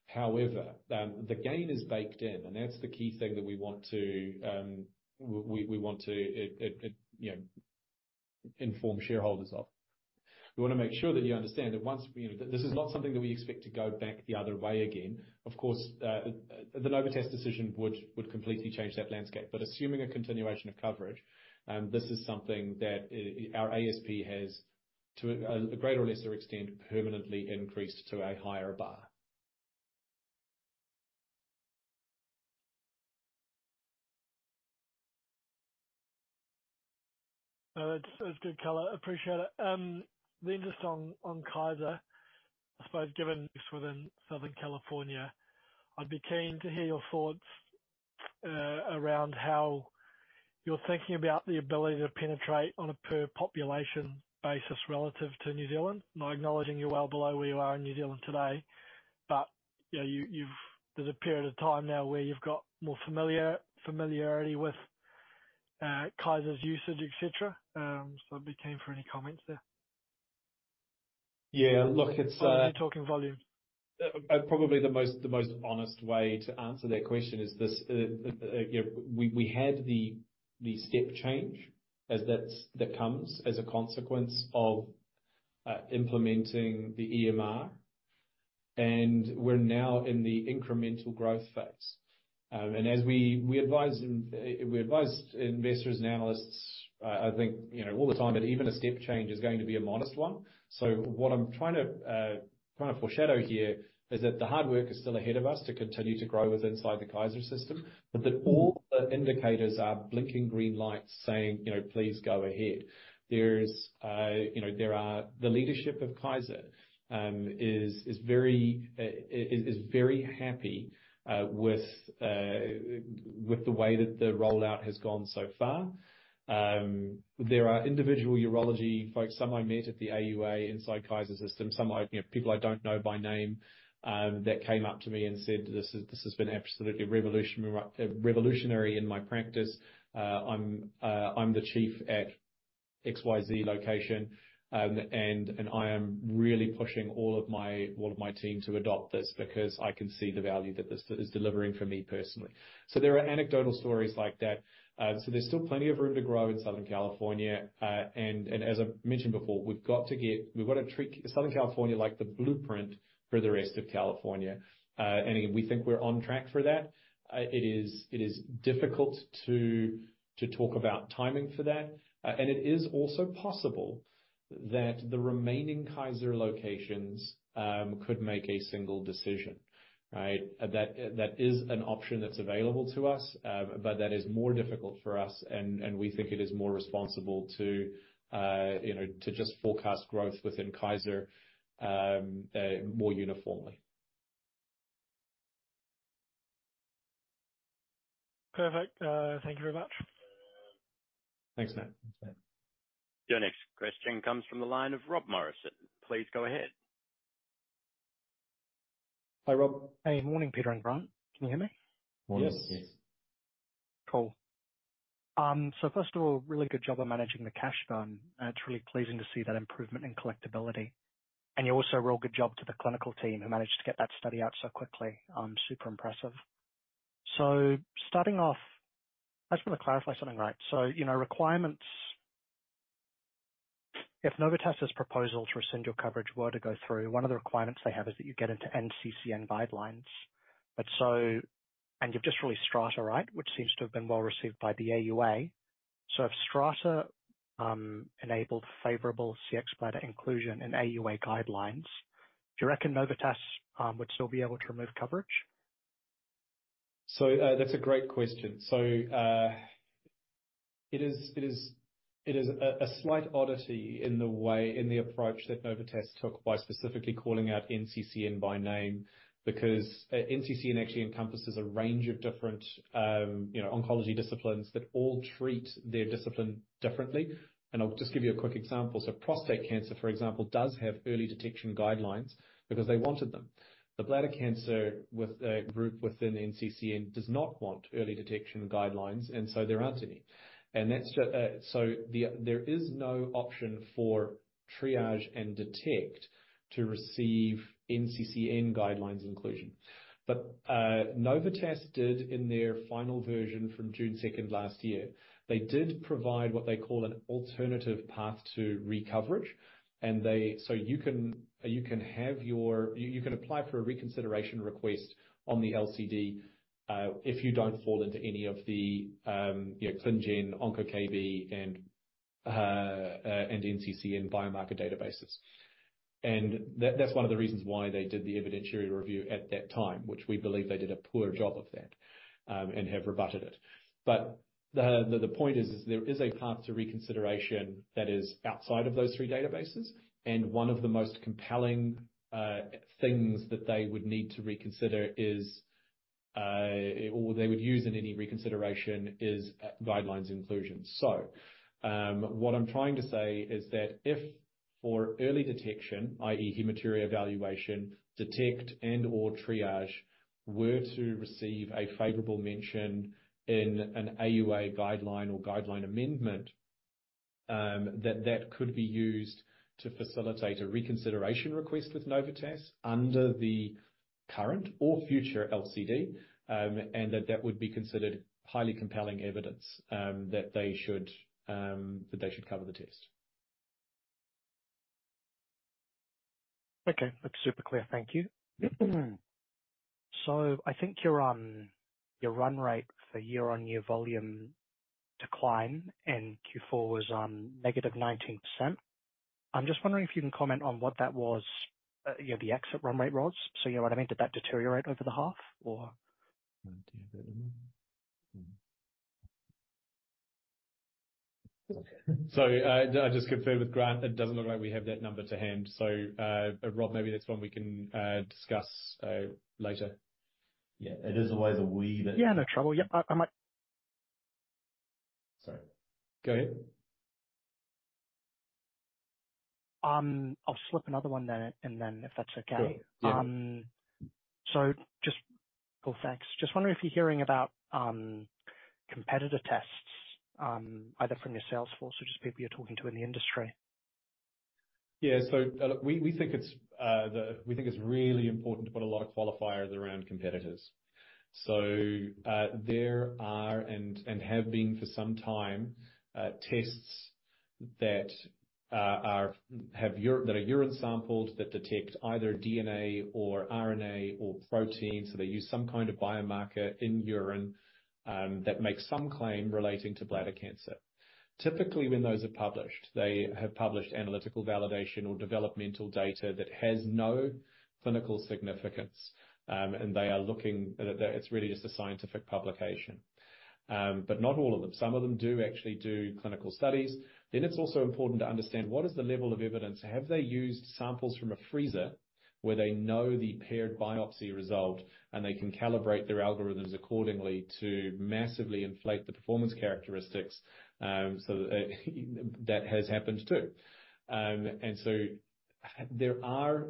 However, the gain is baked in, and that's the key thing that we want to inform shareholders of. We want to make sure that you understand that once, you know, this is not something that we expect to go back the other way again. Of course, the Novitas decision would completely change that landscape, but assuming a continuation of coverage, this is something that our ASP has, to a greater or lesser extent, permanently increased to a higher bar. That's good color. Appreciate it. Then just on, on Kaiser, I suppose, given within Southern California, I'd be keen to hear your thoughts, around how you're thinking about the ability to penetrate on a per population basis relative to New Zealand. Not acknowledging you're well below where you are in New Zealand today, but, you know, you, you've-- there's a period of time now where you've got more familiar, familiarity with, Kaiser's usage, et cetera. So I'd be keen for any comments there. Yeah, look, it's Talking volume. Probably the most, the most honest way to answer that question is this, you know, we had the step change as that comes as a consequence of implementing the EMR, and we're now in the incremental growth phase. And as we advise investors and analysts, I think, you know, all the time, that even a step change is going to be a modest one. So what I'm trying to, trying to foreshadow here, is that the hard work is still ahead of us to continue to grow within the Kaiser system, but that all the indicators are blinking green lights saying, you know, "Please go ahead." There's, you know, there are the leadership of Kaiser is very happy with the way that the rollout has gone so far. There are individual urology folks, some I met at the AUA inside Kaiser system, some I, you know, people I don't know by name that came up to me and said, "This is, this has been absolutely revolutionary, revolutionary in my practice. I'm the chief at XYZ location, and I am really pushing all of my team to adopt this, because I can see the value that this is delivering for me personally." So there are anecdotal stories like that. So there's still plenty of room to grow in Southern California. And as I've mentioned before, we've got to get—we've got to treat Southern California like the blueprint for the rest of California. And we think we're on track for that. It is difficult to talk about timing for that. And it is also possible that the remaining Kaiser locations could make a single decision, right? That, that is an option that's available to us, but that is more difficult for us, and, and we think it is more responsible to, you know, to just forecast growth within Kaiser more uniformly. Perfect. Thank you very much. Thanks, Matt. Your next question comes from the line of Rob Morrison. Please go ahead. Hi, Rob. Hey, morning, Peter and Grant. Can you hear me? Morning. Yes. Cool. So first of all, really good job on managing the cash burn. It's really pleasing to see that improvement in collectibility. And also, a real good job to the clinical team who managed to get that study out so quickly. Super impressive. So starting off, I just want to clarify something, right. So, you know, requirements, if Novitas's proposal to rescind your coverage were to go through, one of the requirements they have is that you get into NCCN guidelines. But so... And you've just released Strata, right? Which seems to have been well-received by the AUA. So if Strata enabled favorable Cxbladder inclusion in AUA guidelines, do you reckon Novitas would still be able to remove coverage? So, that's a great question. So, it is a slight oddity in the way, in the approach that Novitas took by specifically calling out NCCN by name. Because, NCCN actually encompasses a range of different, you know, oncology disciplines that all treat their discipline differently. And I'll just give you a quick example: so prostate cancer, for example, does have early detection guidelines because they wanted them. The bladder cancer with a group within NCCN does not want early detection guidelines, and so there aren't any. And that's just, so there is no option for triage and detect to receive NCCN guidelines inclusion. But, Novitas did in their final version from June 2 last year, they did provide what they call an alternative path to re-coverage, and so you can apply for a reconsideration request on the LCD, if you don't fall into any of the, you know, ClinGen, OncoKB, and NCCN biomarker databases. And that's one of the reasons why they did the evidentiary review at that time, which we believe they did a poor job of that, and have rebutted it. But the point is, there is a path to reconsideration that is outside of those three databases, and one of the most compelling things that they would need to reconsider is, or they would use in any reconsideration, is guidelines inclusion. So, what I'm trying to say is that if for early detection, i.e. hematuria evaluation, detect and/or triage, were to receive a favorable mention in an AUA guideline or guideline amendment, that that could be used to facilitate a reconsideration request with Novitas under the current or future LCD. And that that would be considered highly compelling evidence, that they should, that they should cover the test. Okay, that's super clear. Thank you. So I think your your run rate for year-on-year volume decline in Q4 was negative 19%. I'm just wondering if you can comment on what that was, you know, the exit run rate was. So, you know what I mean, did that deteriorate over the half, or? Sorry, I just confirmed with Grant. It doesn't look like we have that number to hand. So, Rob, maybe that's one we can discuss later. Yeah, it is always a wee bit- Yeah, no trouble. Yep, I might- Sorry, go ahead. I'll slip another one then, and then, if that's okay. Sure, yeah. Cool, thanks. Just wondering if you're hearing about competitor tests, either from your sales force or just people you're talking to in the industry. Yeah. So, look, we think it's really important to put a lot of qualifiers around competitors. So, there are and have been for some time, tests that are urine samples that detect either DNA or RNA or protein. So they use some kind of biomarker in urine that makes some claim relating to bladder cancer. Typically, when those are published, they have published analytical validation or developmental data that has no clinical significance, and they are looking at it, it's really just a scientific publication. But not all of them. Some of them do actually do clinical studies. Then it's also important to understand: what is the level of evidence? Have they used samples from a freezer where they know the paired biopsy result, and they can calibrate their algorithms accordingly to massively inflate the performance characteristics? So that has happened, too. And so there are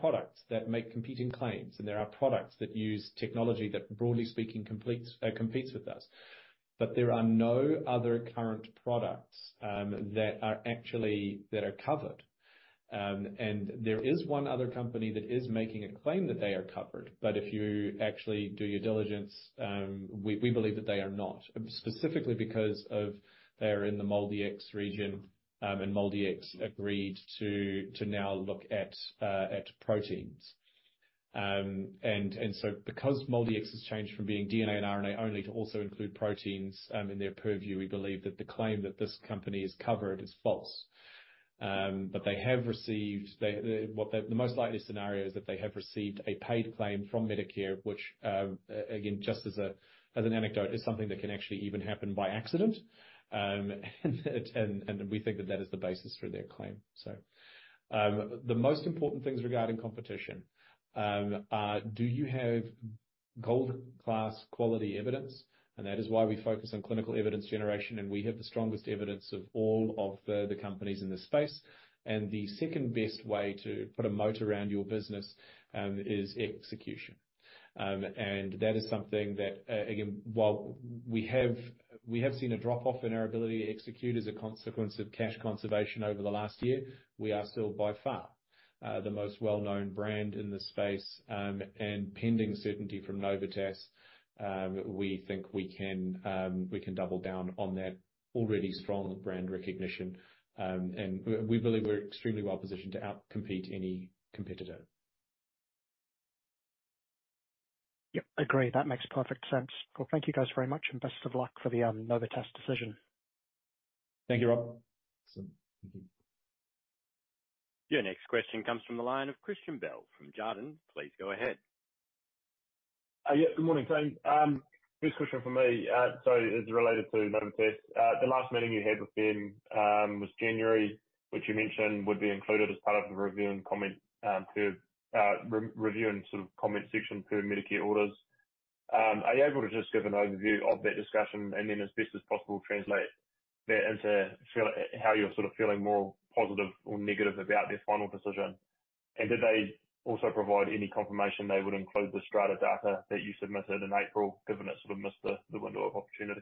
products that make competing claims, and there are products that use technology that, broadly speaking, competes with us. But there are no other current products that are actually that are covered. And there is one other company that is making a claim that they are covered, but if you actually do your diligence, we believe that they are not. Specifically because they're in the MolDX region, and MolDX agreed to now look at proteins. And so because MolDX has changed from being DNA and RNA only to also include proteins in their purview, we believe that the claim that this company is covered is false. But they have received. They, the most likely scenario is that they have received a paid claim from Medicare, which, again, just as an anecdote, is something that can actually even happen by accident. And we think that that is the basis for their claim, so. The most important things regarding competition are: Do you have gold-class quality evidence? And that is why we focus on clinical evidence generation, and we have the strongest evidence of all of the companies in this space. And the second best way to put a moat around your business is execution. And that is something that, again, while we have seen a drop-off in our ability to execute as a consequence of cash conservation over the last year, we are still, by far, the most well-known brand in this space. And pending certainty from Novitas, we think we can double down on that already strong brand recognition. And we believe we're extremely well positioned to out-compete any competitor. Yep, agree. That makes perfect sense. Well, thank you guys very much, and best of luck for the Novitas decision. Thank you, Rob. Awesome. Thank you. Your next question comes from the line of Christian Bell from Jarden. Please go ahead. Yeah, good morning, team. First question from me, so is related to Novitas. The last meeting you had with them was January, which you mentioned would be included as part of the review and comment, per re-review and sort of comment section per Medicare orders. Are you able to just give an overview of that discussion, and then as best as possible, translate that into feel, how you're sort of feeling more positive or negative about their final decision? And did they also provide any confirmation they would include the STRATA data that you submitted in April, given it sort of missed the window of opportunity?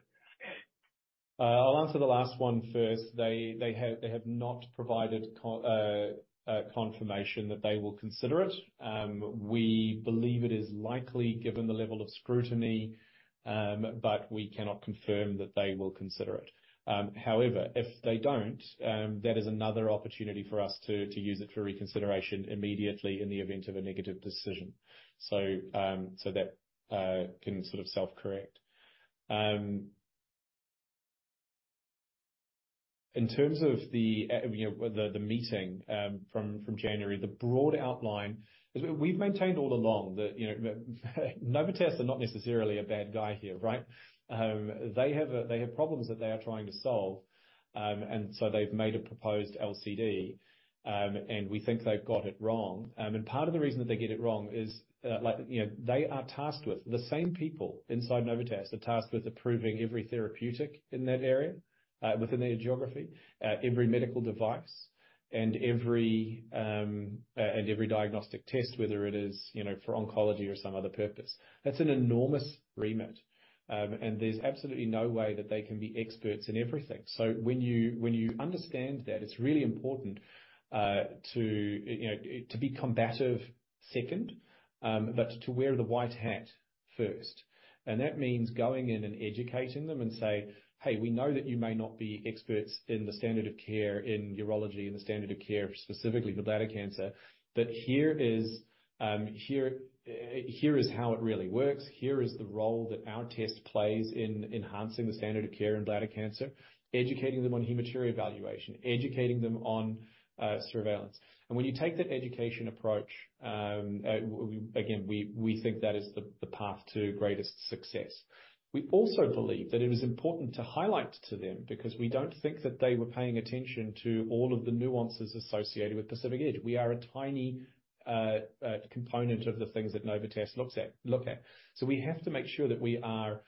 I'll answer the last one first. They have not provided confirmation that they will consider it. We believe it is likely, given the level of scrutiny, but we cannot confirm that they will consider it. However, if they don't, that is another opportunity for us to use it for reconsideration immediately in the event of a negative decision. So, so that can sort of self-correct. In terms of the, you know, the meeting from January, the broad outline... We've maintained all along that, you know, Novitas are not necessarily a bad guy here, right? They have problems that they are trying to solve. And so they've made a proposed LCD, and we think they've got it wrong. Part of the reason that they get it wrong is, like, you know, they are tasked with the same people inside Novitas are tasked with approving every therapeutic in that area, within their geography. Every medical device and every diagnostic test, whether it is, you know, for oncology or some other purpose. That's an enormous remit, and there's absolutely no way that they can be experts in everything. So when you understand that, it's really important, you know, to be combative second, but to wear the white hat first. And that means going in and educating them and say, "Hey, we know that you may not be experts in the standard of care in urology and the standard of care specifically for bladder cancer, but here is how it really works. Here is the role that our test plays in enhancing the standard of care in bladder cancer." Educating them on hematuria evaluation, educating them on surveillance. And when you take that education approach, again, we think that is the path to greatest success. We also believe that it is important to highlight to them, because we don't think that they were paying attention to all of the nuances associated with Pacific Edge. We are a tiny component of the things that Novitas looks at. So we have to make sure that we are,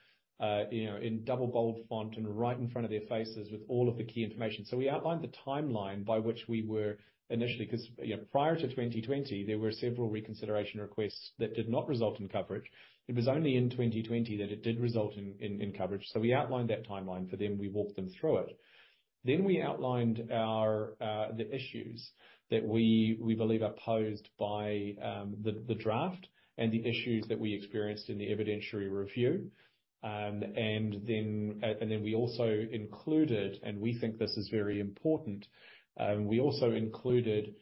you know, in double bold font and right in front of their faces with all of the key information. So we outlined the timeline by which we were initially because, you know, prior to 2020, there were several reconsideration requests that did not result in coverage. It was only in 2020 that it did result in coverage. So we outlined that timeline for them. We walked them through it. Then we outlined the issues that we believe are posed by the draft and the issues that we experienced in the evidentiary review. And then we also included, and we think this is very important, we also included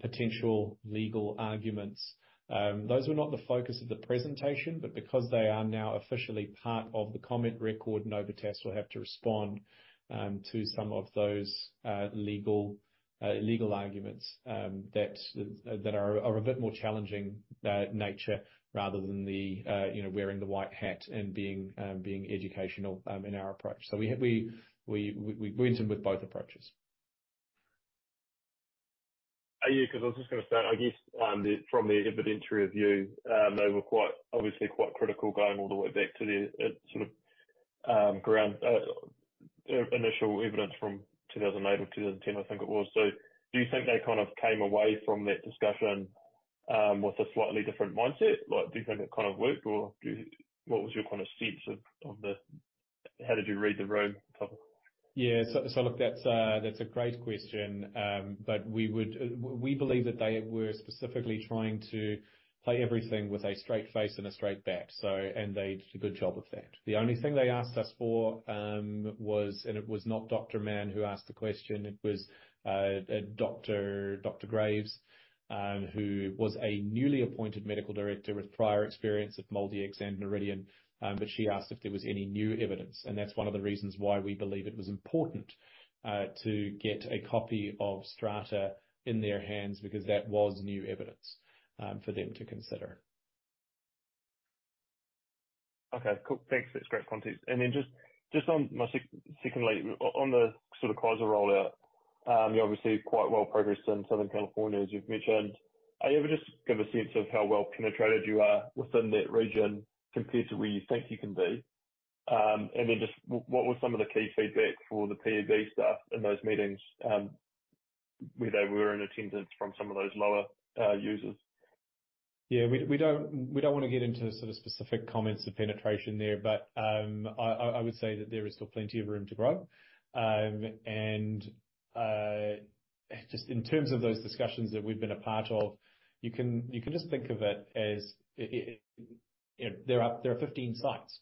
potential legal arguments. Those were not the focus of the presentation, but because they are now officially part of the comment record, Novitas will have to respond to some of those legal arguments that are a bit more challenging nature, rather than the you know wearing the white hat and being educational in our approach. So we went in with both approaches. Yeah, because I was just going to say, I guess, from the evidentiary review, they were quite, obviously quite critical, going all the way back to the sort of ground initial evidence from 2008 or 2010, I think it was. So do you think they kind of came away from that discussion with a slightly different mindset? Like, do you think it kind of worked, or do you... What was your kind of sense of how did you read the room type of? Yeah. So look, that's a great question. But we believe that they were specifically trying to play everything with a straight face and a straight bat, so, and they did a good job of that. The only thing they asked us for was, and it was not Dr. Mann who asked the question, it was Dr. Graves, who was a newly appointed medical director with prior experience at MolDX and Noridian. But she asked if there was any new evidence, and that's one of the reasons why we believe it was important to get a copy of STRATA in their hands, because that was new evidence for them to consider. Okay, cool. Thanks. That's great context. And then just, just on my secondly, on the sort of Kaiser rollout, you're obviously quite well progressed in Southern California, as you've mentioned. Are you able just give a sense of how well penetrated you are within that region compared to where you think you can be? And then just what were some of the key feedback for the APPs stuff in those meetings, where they were in attendance from some of those lower, users? Yeah, we don't want to get into sort of specific comments of penetration there, but I would say that there is still plenty of room to grow. And just in terms of those discussions that we've been a part of, you can just think of it as, you know, there are 15 sites.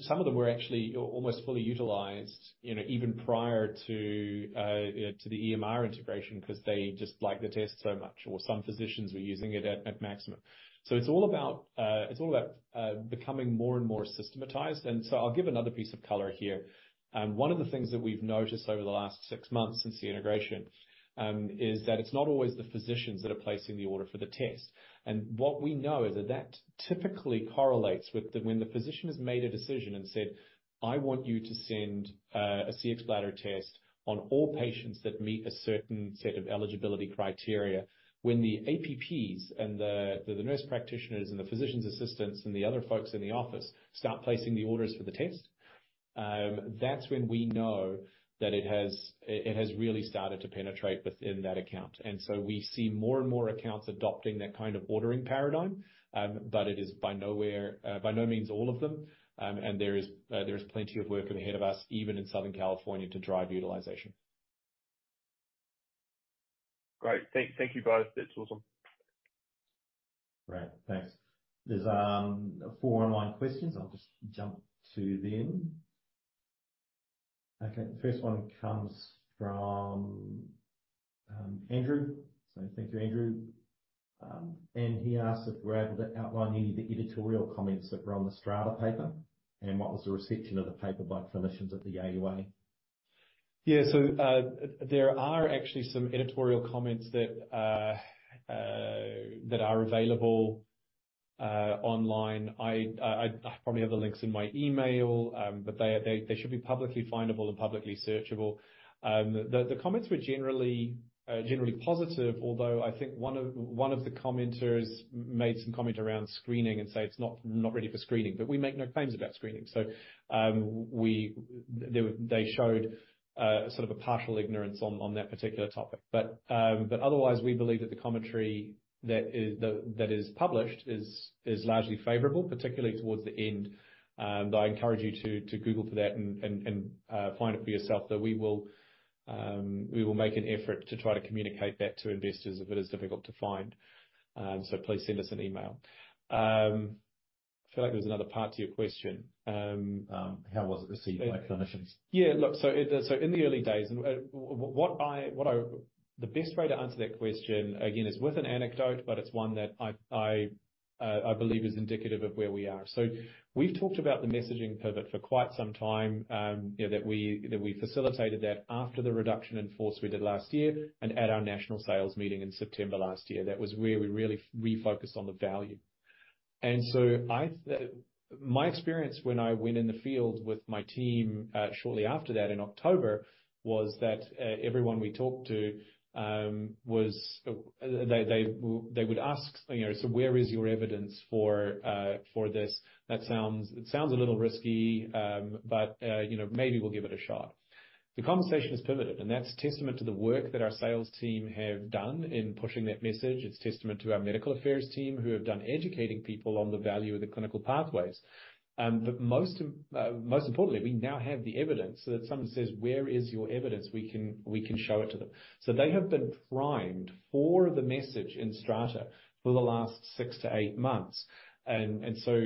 Some of them were actually almost fully utilized, you know, even prior to, you know, to the EMR integration, 'cause they just like the test so much, or some physicians were using it at maximum. So it's all about, it's all about becoming more and more systematized. And so I'll give another piece of color here. One of the things that we've noticed over the last six months since the integration is that it's not always the physicians that are placing the order for the test. And what we know is that that typically correlates with the... When the physician has made a decision and said, "I want you to send a Cxbladder test on all patients that meet a certain set of eligibility criteria." When the APPs and the nurse practitioners, and the physician assistants, and the other folks in the office start placing the orders for the test, that's when we know that it has, it has really started to penetrate within that account. And so we see more and more accounts adopting that kind of ordering paradigm, but it is by no means all of them. There is plenty of work ahead of us, even in Southern California, to drive utilization. Great. Thank you, guys. That's awesome. Great. Thanks. There's four online questions. I'll just jump to them. Okay, the first one comes from Andrew. So thank you, Andrew. And he asked if we're able to outline any of the editorial comments that were on the STRATA paper, and what was the reception of the paper by clinicians at the AUA? Yeah. So, there are actually some editorial comments that that are available online. I probably have the links in my email, but they should be publicly findable and publicly searchable. The comments were generally positive, although I think one of the commenters made some comment around screening, and say it's not ready for screening. But we make no claims about screening, so they showed sort of a partial ignorance on that particular topic. But otherwise, we believe that the commentary that is published is largely favorable, particularly towards the end. But I encourage you to Google for that and find it for yourself. Though we will, we will make an effort to try to communicate that to investors if it is difficult to find, so please send us an email. I feel like there was another part to your question, How was it received by clinicians? Yeah, look, so in the early days, the best way to answer that question, again, is with an anecdote, but it's one that I believe is indicative of where we are. So we've talked about the messaging pivot for quite some time, you know, that we facilitated that after the reduction in force we did last year and at our national sales meeting in September last year. That was where we really refocused on the value. And so my experience when I went in the field with my team shortly after that in October was that everyone we talked to would ask, you know, "So where is your evidence for this? That sounds, it sounds a little risky, but, you know, maybe we'll give it a shot." The conversation has pivoted, and that's testament to the work that our sales team have done in pushing that message. It's testament to our medical affairs team, who have done educating people on the value of the clinical pathways. But most importantly, we now have the evidence, so that if someone says, "Where is your evidence?" We can, we can show it to them. So they have been primed for the message in STRATA for the last 6-8 months. And so,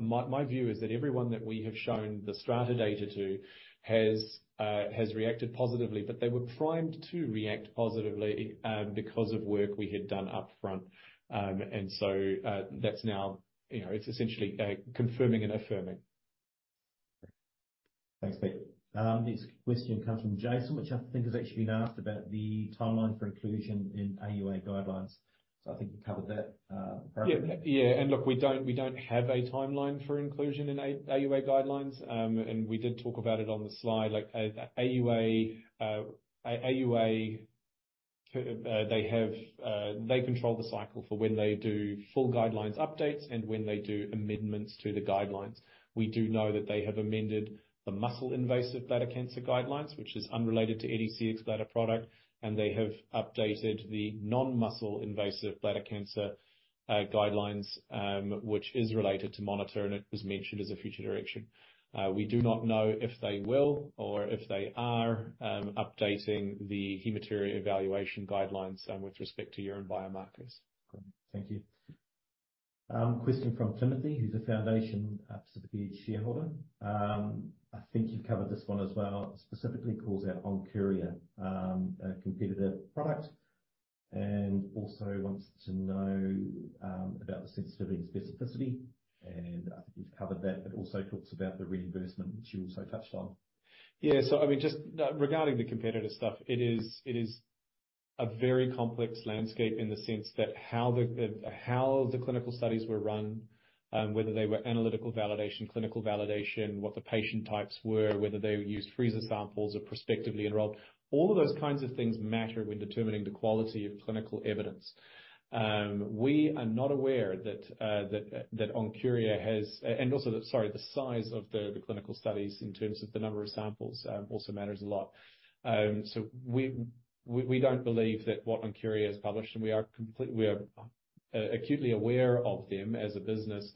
my view is that everyone that we have shown the STRATA data to has reacted positively, but they were primed to react positively, because of work we had done upfront. And so, that's now, you know, it's essentially confirming and affirming.... Thanks, Pete. This question comes from Jason, which I think has actually been asked about the timeline for inclusion in AUA guidelines. I think you covered that thoroughly. Yeah, yeah. And look, we don't, we don't have a timeline for inclusion in AUA guidelines. And we did talk about it on the slide, like, AUA, they have, they control the cycle for when they do full guidelines updates and when they do amendments to the guidelines. We do know that they have amended the muscle-invasive bladder cancer guidelines, which is unrelated to any Cxbladder product, and they have updated the non-muscle invasive bladder cancer guidelines, which is related to Monitor, and it was mentioned as a future direction. We do not know if they will or if they are updating the hematuria evaluation guidelines with respect to urine biomarkers. Great. Thank you. Question from Timothy, who's a foundation, Pacific Edge shareholder. I think you've covered this one as well. Specifically, calls out Oncuria, a competitive product, and also wants to know about the sensitivity and specificity, and I think you've covered that, but also talks about the reimbursement, which you also touched on. Yeah. So I mean, just regarding the competitive stuff, it is a very complex landscape in the sense that how the clinical studies were run, whether they were analytical validation, clinical validation, what the patient types were, whether they used freezer samples or prospectively enrolled. All of those kinds of things matter when determining the quality of clinical evidence. We are not aware that Oncuria has... And also, sorry, the size of the clinical studies in terms of the number of samples also matters a lot. So we don't believe that what Oncuria has published, and we are complete- we are acutely aware of them as a business.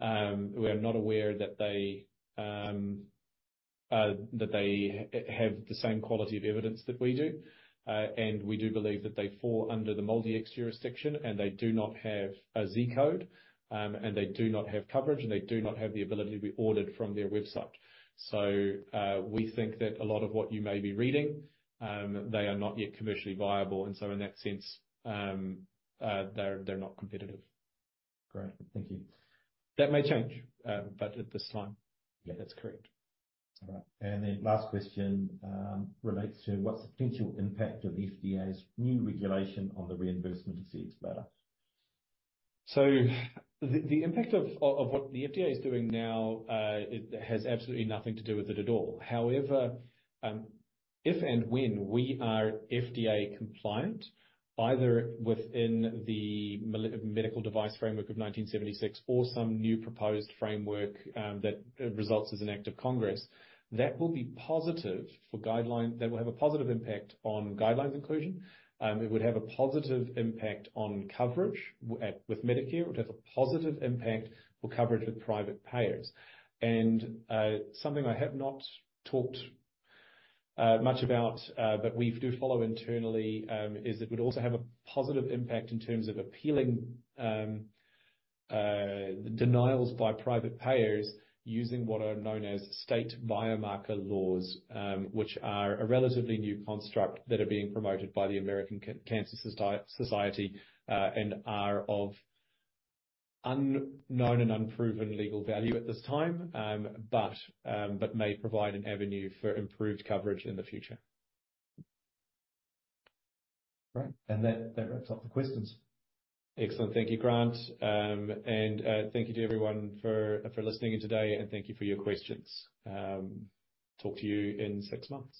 We are not aware that they have the same quality of evidence that we do. And we do believe that they fall under the MolDX jurisdiction, and they do not have a Z-Code, and they do not have coverage, and they do not have the ability to be ordered from their website. So, we think that a lot of what you may be reading, they are not yet commercially viable, and so in that sense, they're not competitive. Great, thank you. That may change, but at this time, yeah, that's correct. All right. And then last question relates to what's the potential impact of FDA's new regulation on the reimbursement of Cxbladder? So the impact of what the FDA is doing now, it has absolutely nothing to do with it at all. However, if and when we are FDA compliant, either within the medical device framework of 1976 or some new proposed framework that results as an act of Congress, that will have a positive impact on guidelines inclusion. It would have a positive impact on coverage with Medicare. It would have a positive impact for coverage with private payers. Something I have not talked much about, but we do follow internally, is that it would also have a positive impact in terms of appealing denials by private payers using what are known as state biomarker laws, which are a relatively new construct that are being promoted by the American Cancer Society, and are of unknown and unproven legal value at this time, but may provide an avenue for improved coverage in the future. Great. That, that wraps up the questions. Excellent. Thank you, Grant. Thank you to everyone for listening in today, and thank you for your questions. Talk to you in six months.